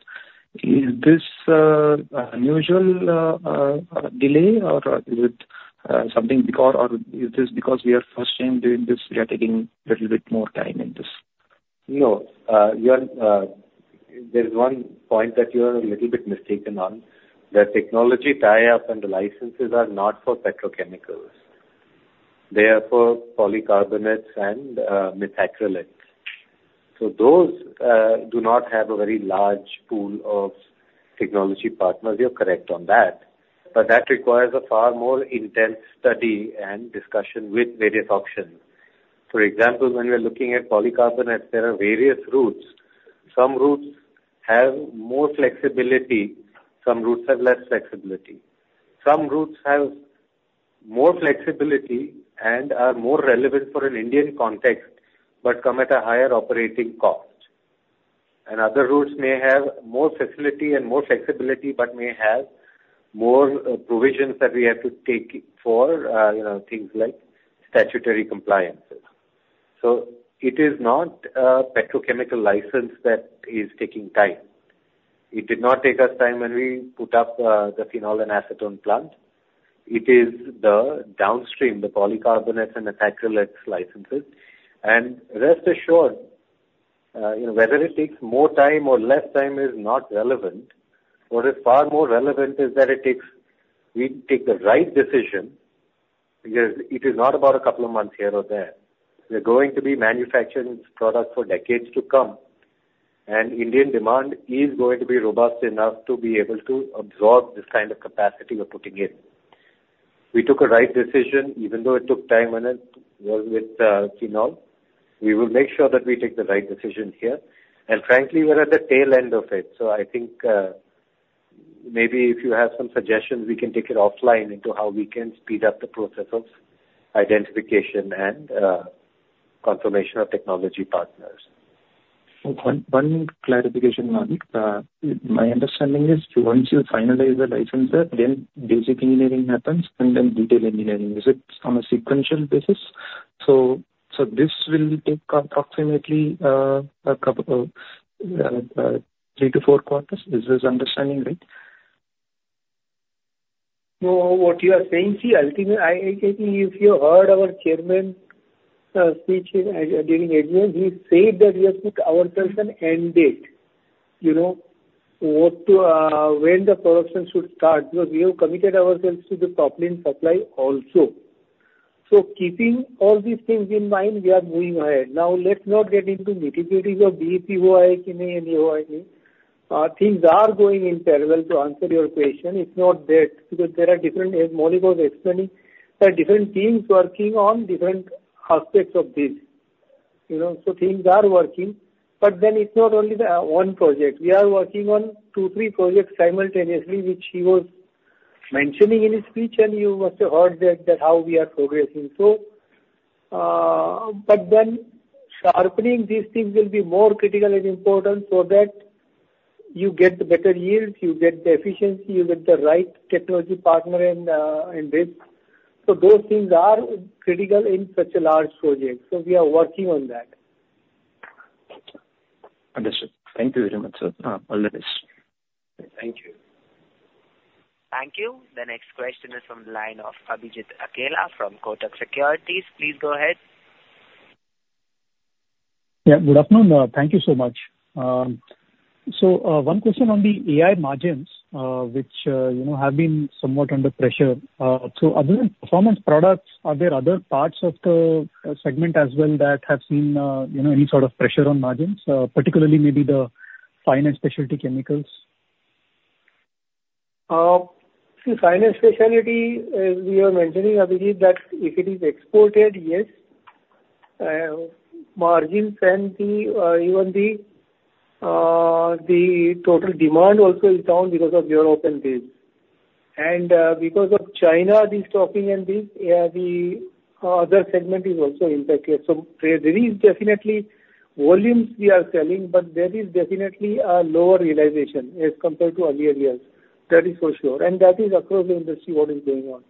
Is this unusual delay, or is it something bigger, or is this because we are first time doing this, we are taking little bit more time in this? No. There is one point that you are a little bit mistaken on. The technology tie-up and the licenses are not for petrochemicals. They are for polycarbonates and methacrylate. So those do not have a very large pool of technology partners, you're correct on that, but that requires a far more intense study and discussion with various options. For example, when we are looking at polycarbonates, there are various routes. Some routes have more flexibility, some routes have less flexibility. Some routes have more flexibility and are more relevant for an Indian context, but come at a higher operating cost. And other routes may have more flexibility and more flexibility, but may have more provisions that we have to take for, you know, things like statutory compliances. So it is not a petrochemical license that is taking time. It did not take us time when we put up the phenol and acetone plant. It is the downstream, the polycarbonates and acrylates licenses. And rest assured, you know, whether it takes more time or less time is not relevant. What is far more relevant is that it takes, we take the right decision, because it is not about a couple of months here or there. We're going to be manufacturing this product for decades to come, and Indian demand is going to be robust enough to be able to absorb this kind of capacity we're putting in. We took a right decision, even though it took time, and it was with phenol. We will make sure that we take the right decision here, and frankly, we're at the tail end of it. So I think, maybe if you have some suggestions, we can take it offline into how we can speed up the process of identification and, confirmation of technology partners. One clarification, Maulik. My understanding is once you finalize the licensor, then basic engineering happens, and then detail engineering. Is it on a sequential basis? This will take approximately a couple, three to four quarters. Is this understanding right? So what you are saying, see, ultimately, I think if you heard our chairman's speech during annual, he said that we have put ourselves an end date. You know, what to when the production should start, because we have committed ourselves to the propylene supply also. So keeping all these things in mind, we are moving ahead. Now, let's not get into nitty-gritty of BPA. Things are going in parallel to answer your question. It's not that, because there are different teams working on different aspects of this. You know, so things are working, but then it's not only the one project. We are working on two, three projects simultaneously, which he was mentioning in his speech, and you must have heard that, that how we are progressing. So, but then sharpening these things will be more critical and important so that you get the better yields, you get the efficiency, you get the right technology partner and, and this. So those things are critical in such a large project, so we are working on that. Understood. Thank you very much, sir. All the best. Thank you. Thank you. The next question is from the line of Abhijit Akella from Kotak Securities. Please go ahead. Yeah, good afternoon. Thank you so much. So, one question on the AI margins, which, you know, have been somewhat under pressure. So other than Performance Products, are there other parts of the segment as well that have seen, you know, any sort of pressure on margins, particularly maybe the fine and specialty chemicals? See, fine and specialty, we are mentioning, Abhijit, that if it is exported, yes, margins and the even the total demand also is down because of European base. And because of China, the destocking and the other segment is also impacted. So there is definitely volumes we are selling, but there is definitely a lower realization as compared to earlier years. That is for sure, and that is across the industry, what is going on.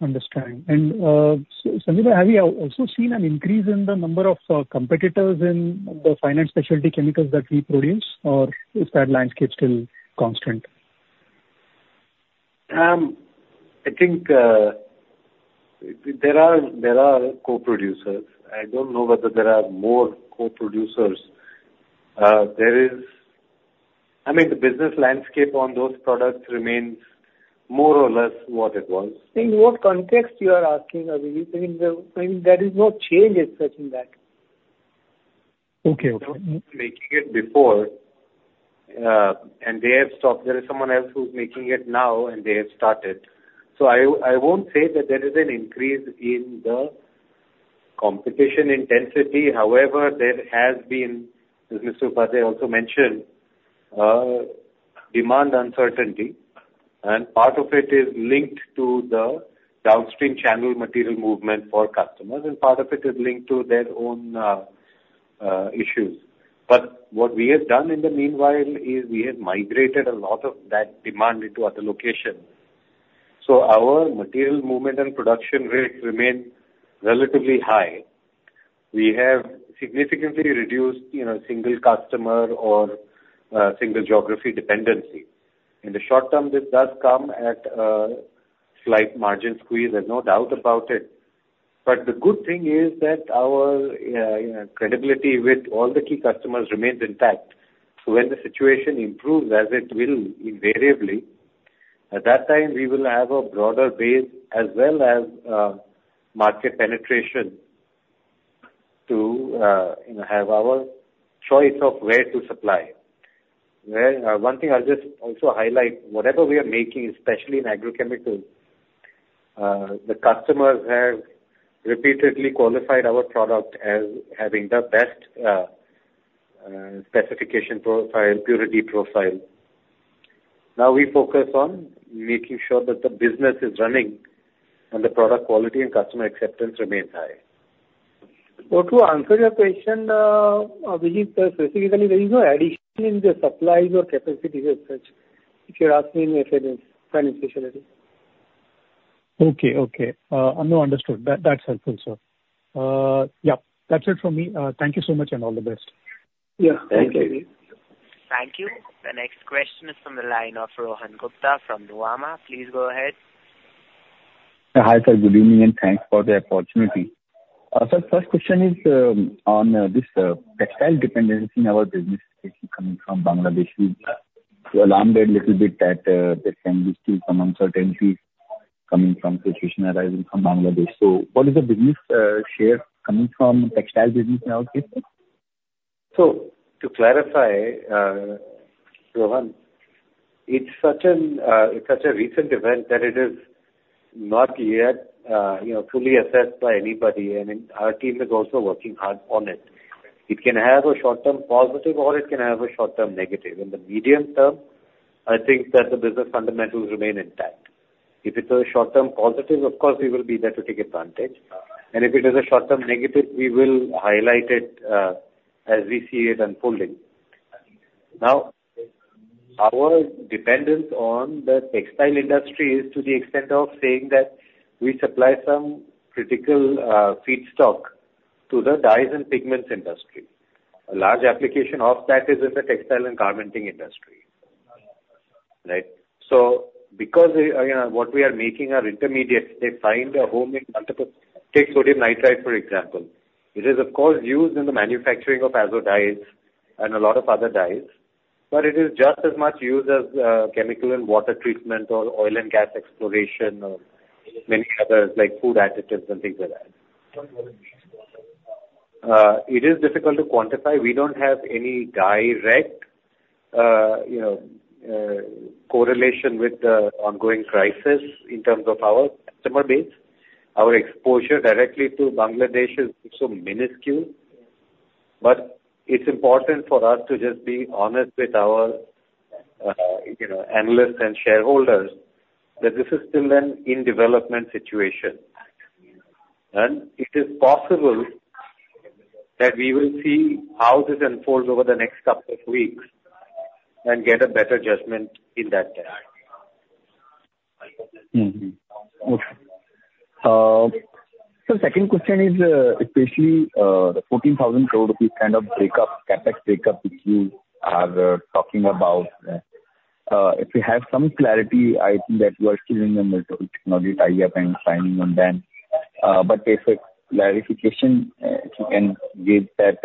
Understand. And, so Sanjay, have you also seen an increase in the number of competitors in the fine and specialty chemicals that we produce, or is that landscape still constant? I think there are co-producers. I don't know whether there are more co-producers. There is, I mean, the business landscape on those products remains more or less what it was. In what context you are asking, Abhijit? I mean, I mean, there is no change as such in that. Okay. Making it before, and they have stopped. There is someone else who's making it now, and they have started. So I, I won't say that there is an increase in the competition intensity. However, there has been, as Mr. Upadhyay also mentioned, demand uncertainty, and part of it is linked to the downstream channel material movement for customers, and part of it is linked to their own issues. But what we have done in the meanwhile is we have migrated a lot of that demand into other locations. So our material movement and production rates remain relatively high. We have significantly reduced, you know, single customer or single geography dependency. In the short term, this does come at a slight margin squeeze. There's no doubt about it. But the good thing is that our, you know, credibility with all the key customers remains intact. So when the situation improves, as it will invariably, at that time, we will have a broader base as well as, market penetration to, you know, have our choice of where to supply. Where, one thing I'll just also highlight, whatever we are making, especially in agrochemicals, the customers have repeatedly qualified our product as having the best, specification profile, purity profile. Now we focus on making sure that the business is running and the product quality and customer acceptance remains high. So to answer your question, Abhijit, specifically, there is no addition in the supplies or capacities as such, if you're asking in a sense, fine and specialty. Okay, okay. No, understood. That, that's helpful, sir. Yeah, that's it from me. Thank you so much, and all the best. Yeah. Thank you. Thank you. The next question is from the line of Rohan Gupta from Nuvama. Please go ahead. Hi, sir. Good evening, and thanks for the opportunity. Sir, first question is on this textile dependency in our business coming from Bangladesh. We were alarmed a little bit that there can be still some uncertainties coming from situation arising from Bangladesh. So what is the business share coming from textile business in our case? So to clarify, Rohan, it's such a recent event that it is not yet, you know, fully assessed by anybody. I mean, our team is also working hard on it. It can have a short-term positive, or it can have a short-term negative. In the medium term, I think that the business fundamentals remain intact. If it's a short-term positive, of course, we will be there to take advantage, and if it is a short-term negative, we will highlight it, as we see it unfolding. Now, our dependence on the textile industry is to the extent of saying that we supply some critical feedstock to the dyes and pigments industry. A large application of that is in the textile and garmenting industry. Right? So because, you know, what we are making are intermediates, they find a home in multiple. Take sodium nitrite, for example. It is of course used in the manufacturing of azo dyes and a lot of other dyes, but it is just as much used as, chemical and water treatment or oil and gas exploration or many others, like food additives and things like that. It is difficult to quantify. We don't have any direct, you know, correlation with the ongoing crisis in terms of our customer base. Our exposure directly to Bangladesh is so minuscule. But it's important for us to just be honest with our, you know, analysts and shareholders, that this is still an in-development situation. And it is possible that we will see how this unfolds over the next couple of weeks and get a better judgment in that time. Mm-hmm. Okay. So second question is, especially, the 14,000 crore rupees kind of breakup, CapEx breakup, which you are talking about. If you have some clarity, I think that you are still in the middle of technology tie-up and signing on them. But if a clarification, you can give that,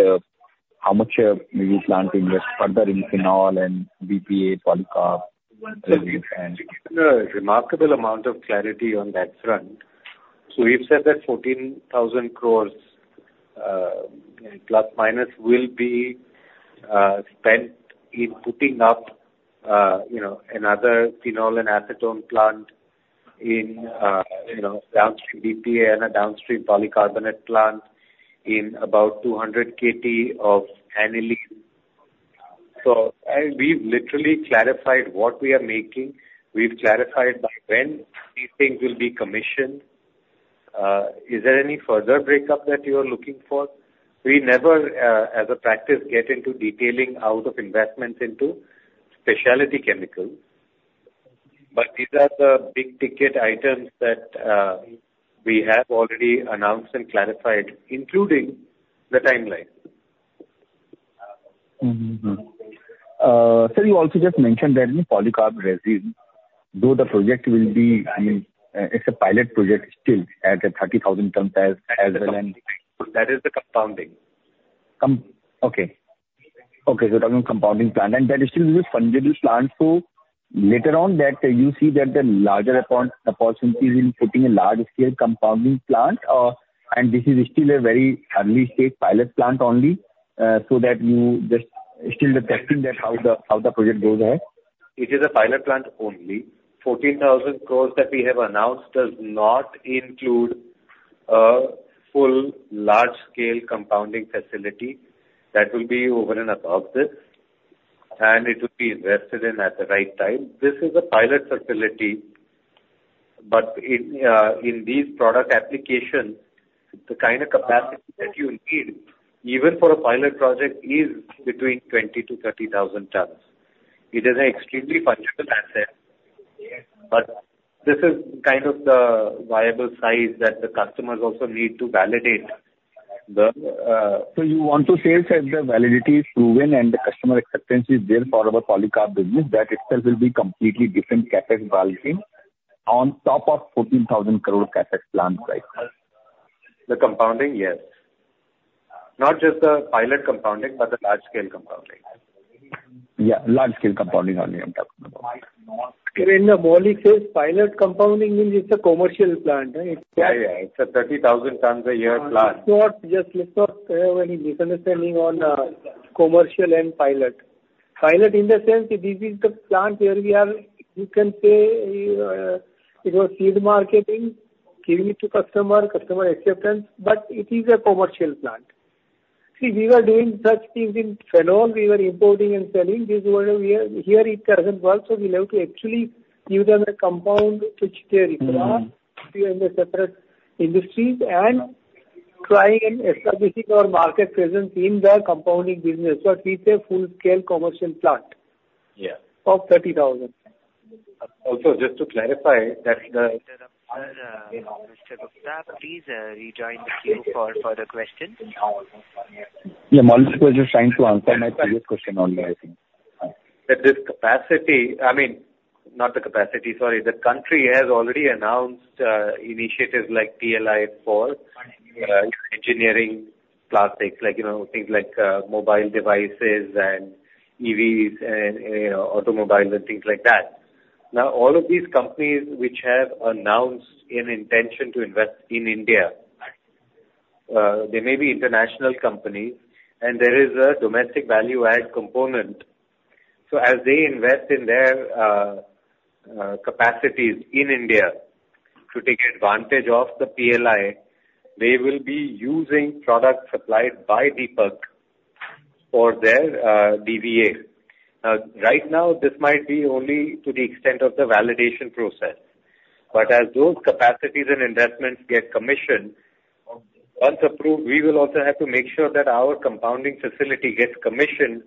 how much do you plan to invest further in phenol and BPA, polycarb? A remarkable amount of clarity on that front. So we've said that 14,000 crore ±, will be spent in putting up, you know, another phenol and acetone plant in, you know, downstream BPA and a downstream polycarbonate plant in about 200 KT of aniline. So we've literally clarified what we are making. We've clarified by when these things will be commissioned. Is there any further breakup that you are looking for? We never, as a practice, get into detailing out of investments into specialty chemicals, but these are the big-ticket items that, we have already announced and clarified, including the timeline. Mm-hmm, mm. Sir, you also just mentioned that in polycarb resin, though the project will be, I mean, it's a pilot project still, at a 30,000 tons as well. That is the compounding. Okay. Okay, so we're talking compounding plant, and that is still a fundable plant. So later on that, you see that the larger opportunities in putting a large scale compounding plant, so that you just still detailing that, how the project goes ahead? It is a pilot plant only. 14,000 crore that we have announced does not include a full large-scale compounding facility. That will be over and above this, and it will be invested in at the right time. This is a pilot facility, but in, in these product applications, the kind of capacity that you need, even for a pilot project, is between 20,000-30,000 tons. It is an extremely tangible asset, but this is kind of the viable size that the customers also need to validate. So you want to say, sir, if the validity is proven and the customer acceptance is there for our polycarb business, that itself will be completely different CapEx balancing on top of 14,000 crore CapEx plans right now? The compounding, yes. Not just the pilot compounding, but the large scale compounding. Yeah, large-scale compounding only. I'm talking about. In then Maulik says pilot compounding means it's a commercial plant, right? Yeah, yeah. It's a 30,000 tons a year plant. It's not just, it's not any misunderstanding on commercial and pilot. Pilot in the sense that this is the plant where we are, you know, field marketing, giving it to customer, customer acceptance, but it is a commercial plant. See, we were doing such things in phenol. We were importing and selling this one. We are here, it doesn't work, so we'll have to actually give them a compound, which their plant- Mm-hmm. In the separate industries and trying and establishing our market presence in the compounding business. So it's a full-scale commercial plant of 30,000. Also, just to clarify, that the Sorry to interrupt. Please, rejoin the queue for further questions. Yeah, Maulik was just trying to answer my previous question only, I think. That this capacity, I mean, not the capacity, sorry. The country has already announced initiatives like PLI for engineering plastics, like, you know, things like mobile devices and EVs and, you know, automobiles and things like that. Now, all of these companies which have announced an intention to invest in India, they may be international companies, and there is a domestic value add component. So as they invest in their capacities in India to take advantage of the PLI, they will be using products supplied by Deepak for their DVA. Right now, this might be only to the extent of the validation process, but as those capacities and investments get commissioned. Once approved, we will also have to make sure that our compounding facility gets commissioned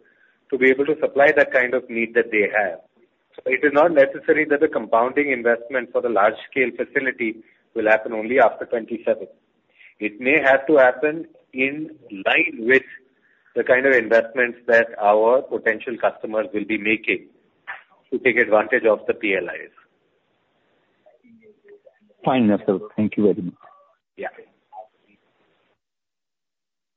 to be able to supply the kind of need that they have. So it is not necessary that the compounding investment for the large scale facility will happen only after 27. It may have to happen in line with the kind of investments that our potential customers will be making to take advantage of the PLIs. Fine, sir. Thank you very much. Yeah.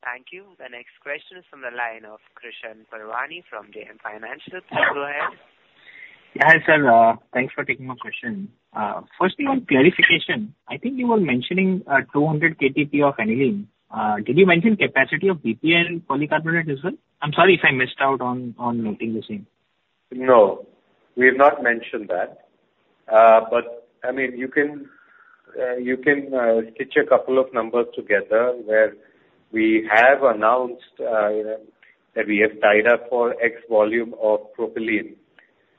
Thank you. The next question is from the line of Krishan Parwani from JM Financial. Please go ahead. Yeah, hi, sir. Thanks for taking my question. Firstly, on clarification, I think you were mentioning 200 KTP of aniline. Did you mention capacity of BPA and polycarbonate as well? I'm sorry if I missed out on noting the same. No, we have not mentioned that. But I mean, you can, you can, stitch a couple of numbers together where we have announced, you know, that we have tied up for X volume of propylene.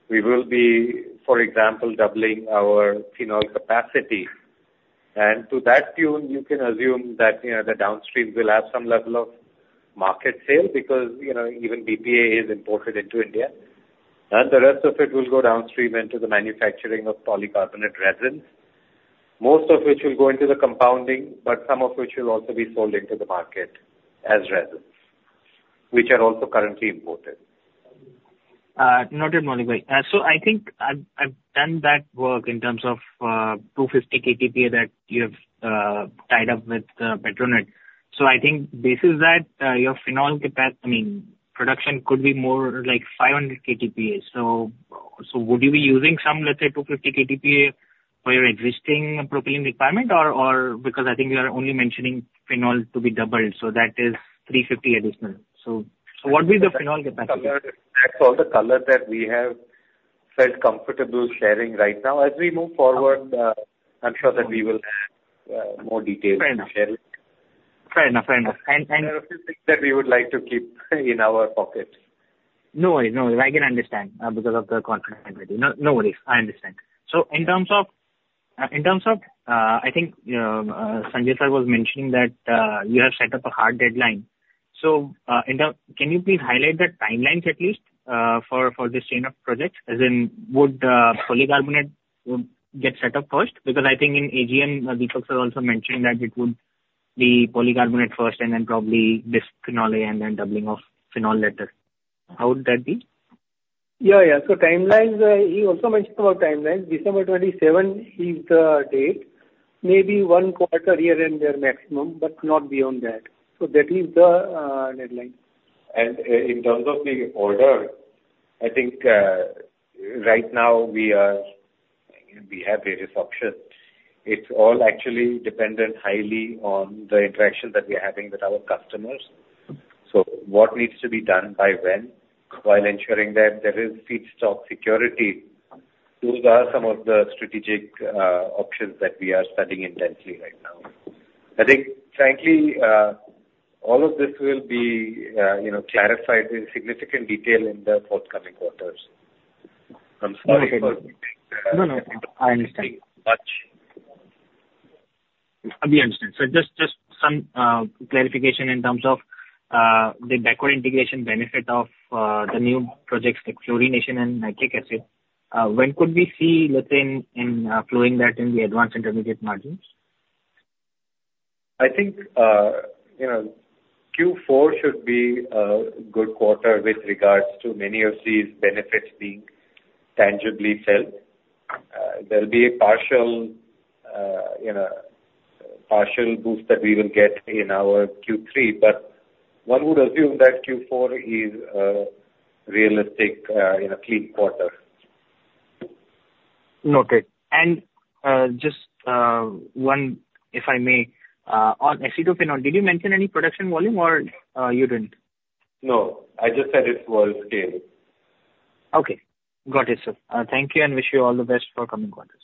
We will be, for example, doubling our Phenol capacity. And to that tune, you can assume that, you know, the downstream will have some level of market share, because, you know, even BPA is imported into India. And the rest of it will go downstream into the manufacturing of polycarbonate resins, most of which will go into the compounding, but some of which will also be sold into the market as resins, which are also currently imported. Noted, Maulik. So I think I've done that work in terms of 250 KTPA that you have tied up with Petronet. So I think this is that your phenol, I mean, production could be more like 500 KTPA. So would you be using some, let's say, 250 KTPA for your existing propylene requirement? Or because I think you are only mentioning phenol to be doubled, so that is 350 additional. So what is the phenol capacity? That's all the color that we have felt comfortable sharing right now. As we move forward, I'm sure that we will have more details to share. Fair enough. Fair enough. Fair enough. And, and- There are a few things that we would like to keep in our pocket. No worries, no worries. I can understand, because of the confidentiality. No, no worries. I understand. So in terms of, in terms of, I think, you know, Sanjay Sir was mentioning that, you have set up a hard deadline. So, can you please highlight the timelines at least, for, for this chain of projects, as in, would, polycarbonate would get set up first? Because I think in AGM, Deepak Sir also mentioned that it would be polycarbonate first and then probably this phenol and then doubling of phenol later. How would that be? Yeah, yeah. So timelines, he also mentioned about timelines. December 2027 is the date, maybe one quarter here and there maximum, but not beyond that. So that is the deadline. And, in terms of the order, I think, right now, we are, we have various options. It's all actually dependent highly on the interaction that we're having with our customers. So what needs to be done by when, while ensuring that there is feedstock security. Those are some of the strategic, options that we are studying intensely right now. I think, frankly, all of this will be, you know, clarified in significant detail in the forthcoming quarters. I'm sorry for- No, no, I understand. Much. We understand. So just some clarification in terms of the backward integration benefit of the new projects like fluorination and nitric acid. When could we see, let's say, in flowing that in the Advanced Intermediates margins? I think, you know, Q4 should be a good quarter with regards to many of these benefits being tangibly felt. There'll be a partial, you know, partial boost that we will get in our Q3, but one would assume that Q4 is, realistic, you know, clean quarter. Noted. And just one, if I may, on acetophenone, did you mention any production volume or you didn't? No, I just said it was scalable. Okay. Got it, sir. Thank you, and wish you all the best for coming quarters.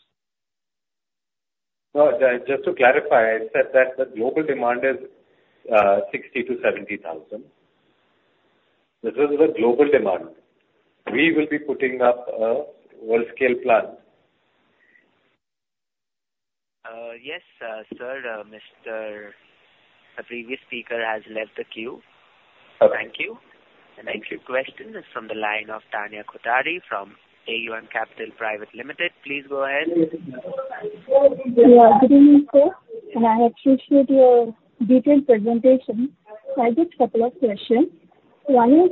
Just to clarify, I said that the global demand is 60,000-70,000. This is the global demand. We will be putting up a world-scale plant. Yes, sir. The previous speaker has left the queue. Okay. Thank you. The next question is from the line of Tanya Kothari from AUM Capital Private Limited. Please go ahead. Good evening, sir, and I appreciate your detailed presentation. I have just a couple of questions. One is,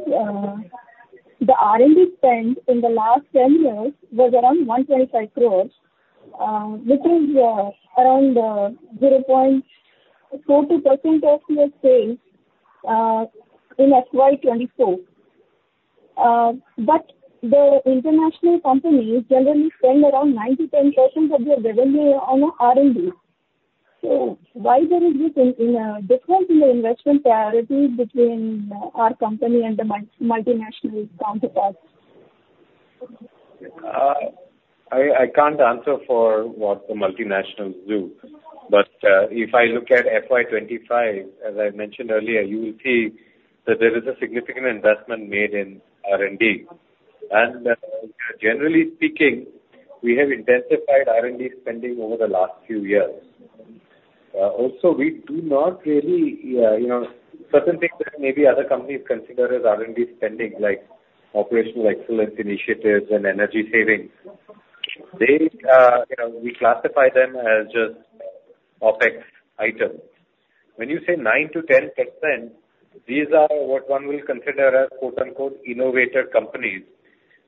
the R&D spend in the last 10 years was around 125 crore, which is, around, 0.42% of your sales, in FY 2024. But the international companies generally spend around 9%-10% of their revenue on R&D. So why there is this, difference in the investment priority between, our company and the multinational counterparts? I can't answer for what the multinationals do. But, if I look at FY 2025, as I mentioned earlier, you will see that there is a significant investment made in R&D. And, generally speaking, we have intensified R&D spending over the last few years. Also, we do not really, you know, certain things that maybe other companies consider as R&D spending, like operational excellence initiatives and energy savings; they, you know, we classify them as just OpEx items. When you say 9%-10%, these are what one will consider as quote, unquote, "innovator companies,"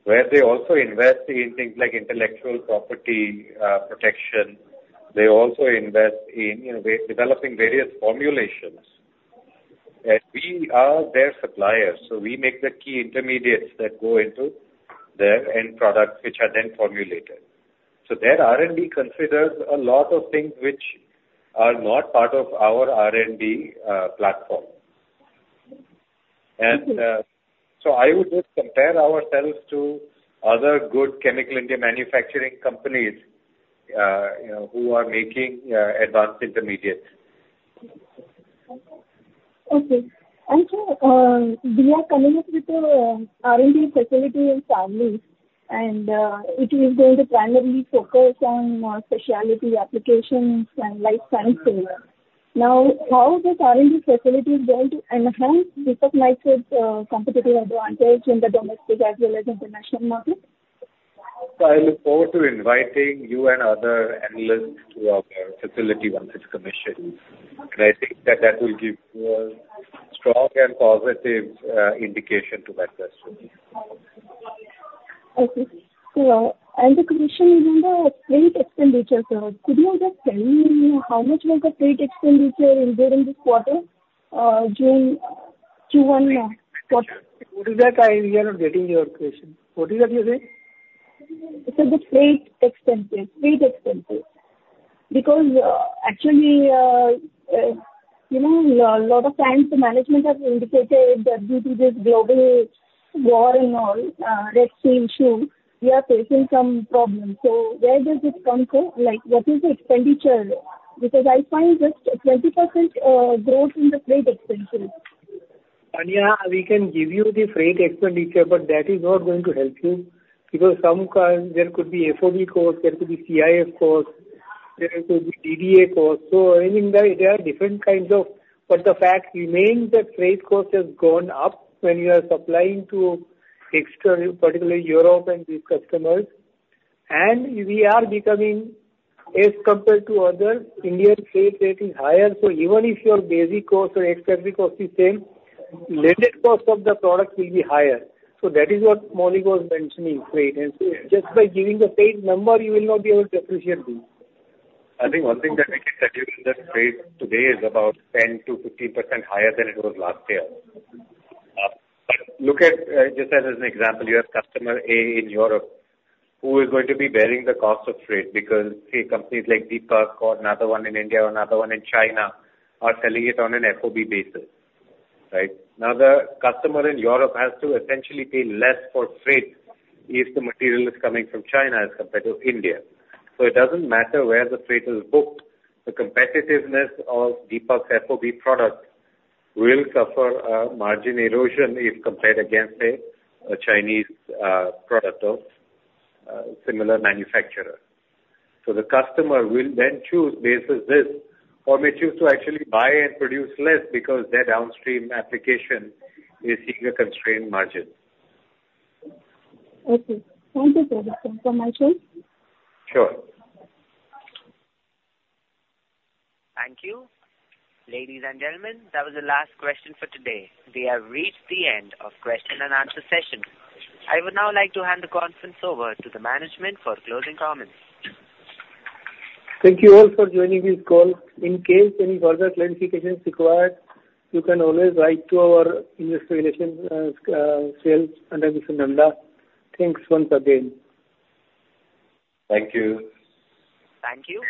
where they also invest in things like intellectual property protection. They also invest in, you know, developing various formulations, and we are their suppliers. So we make the key intermediates that go into their end products, which are then formulated. So their R&D considers a lot of things which are not part of our R&D platform. So I would just compare ourselves to other good chemical engineering manufacturing companies, you know, who are making Advanced Intermediates. Okay. And sir, we are coming up with a R&D facility in Savli, and it is going to primarily focus on specialty applications and life sciences. Now, how is this R&D facility going to enhance Deepak Nitrite's competitive advantage in the domestic as well as international market? So I look forward to inviting you and other analysts to our facility once it's commissioned, and I think that that will give you a strong and positive indication to that question. Okay. So, and the question is on the freight expenditure, sir. Could you just tell me how much was the freight expenditure during this quarter, June Q1? What is that? We are not getting your question. What is that you said? I said the freight expenses. Freight expenses. Because, actually, you know, a lot of times management has indicated that due to this global war and all, that same issue, we are facing some problems. So where does it come from? Like, what is the expenditure? Because I find just a 20% growth in the freight expenses. Tanya, we can give you the freight expenditure, but that is not going to help you, because some clients, there could be FOB costs, there could be CIF costs, there could be DDA costs. So I mean, there, there are different kinds of, but the fact remains that freight cost has gone up when you are supplying to external, particularly Europe and these customers. And we are becoming, as compared to others, Indian freight rate is higher. So even if your basic cost or ex-factory cost is same, landed cost of the product will be higher. So that is what Maulik was mentioning, freight. And so just by giving the freight number, you will not be able to appreciate this. I think one thing that I can tell you is that freight today is about 10%-15% higher than it was last year. But look at, just as an example, you have customer A in Europe, who is going to be bearing the cost of freight because say companies like Deepak or another one in India or another one in China are selling it on an FOB basis, right? Now, the customer in Europe has to essentially pay less for freight if the material is coming from China as compared to India. So it doesn't matter where the freight is booked, the competitiveness of Deepak's FOB product will suffer a margin erosion if compared against, say, a Chinese product of a similar manufacturer. The customer will then choose basis this, or may choose to actually buy and produce less because their downstream application is seeing a constrained margin. Okay. Thank you, sir. That's all from my side. Sure. Thank you. Ladies and gentlemen, that was the last question for today. We have reached the end of question-and-answer session. I would now like to hand the conference over to the management for closing comments. Thank you all for joining this call. In case any further clarification is required, you can always write to our investor relations cell under Mr. Nanda. Thanks once again. Thank you. Thank you.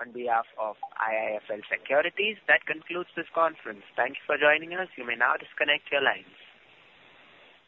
On behalf of IIFL Securities, that concludes this conference. Thank you for joining us. You may now disconnect your lines.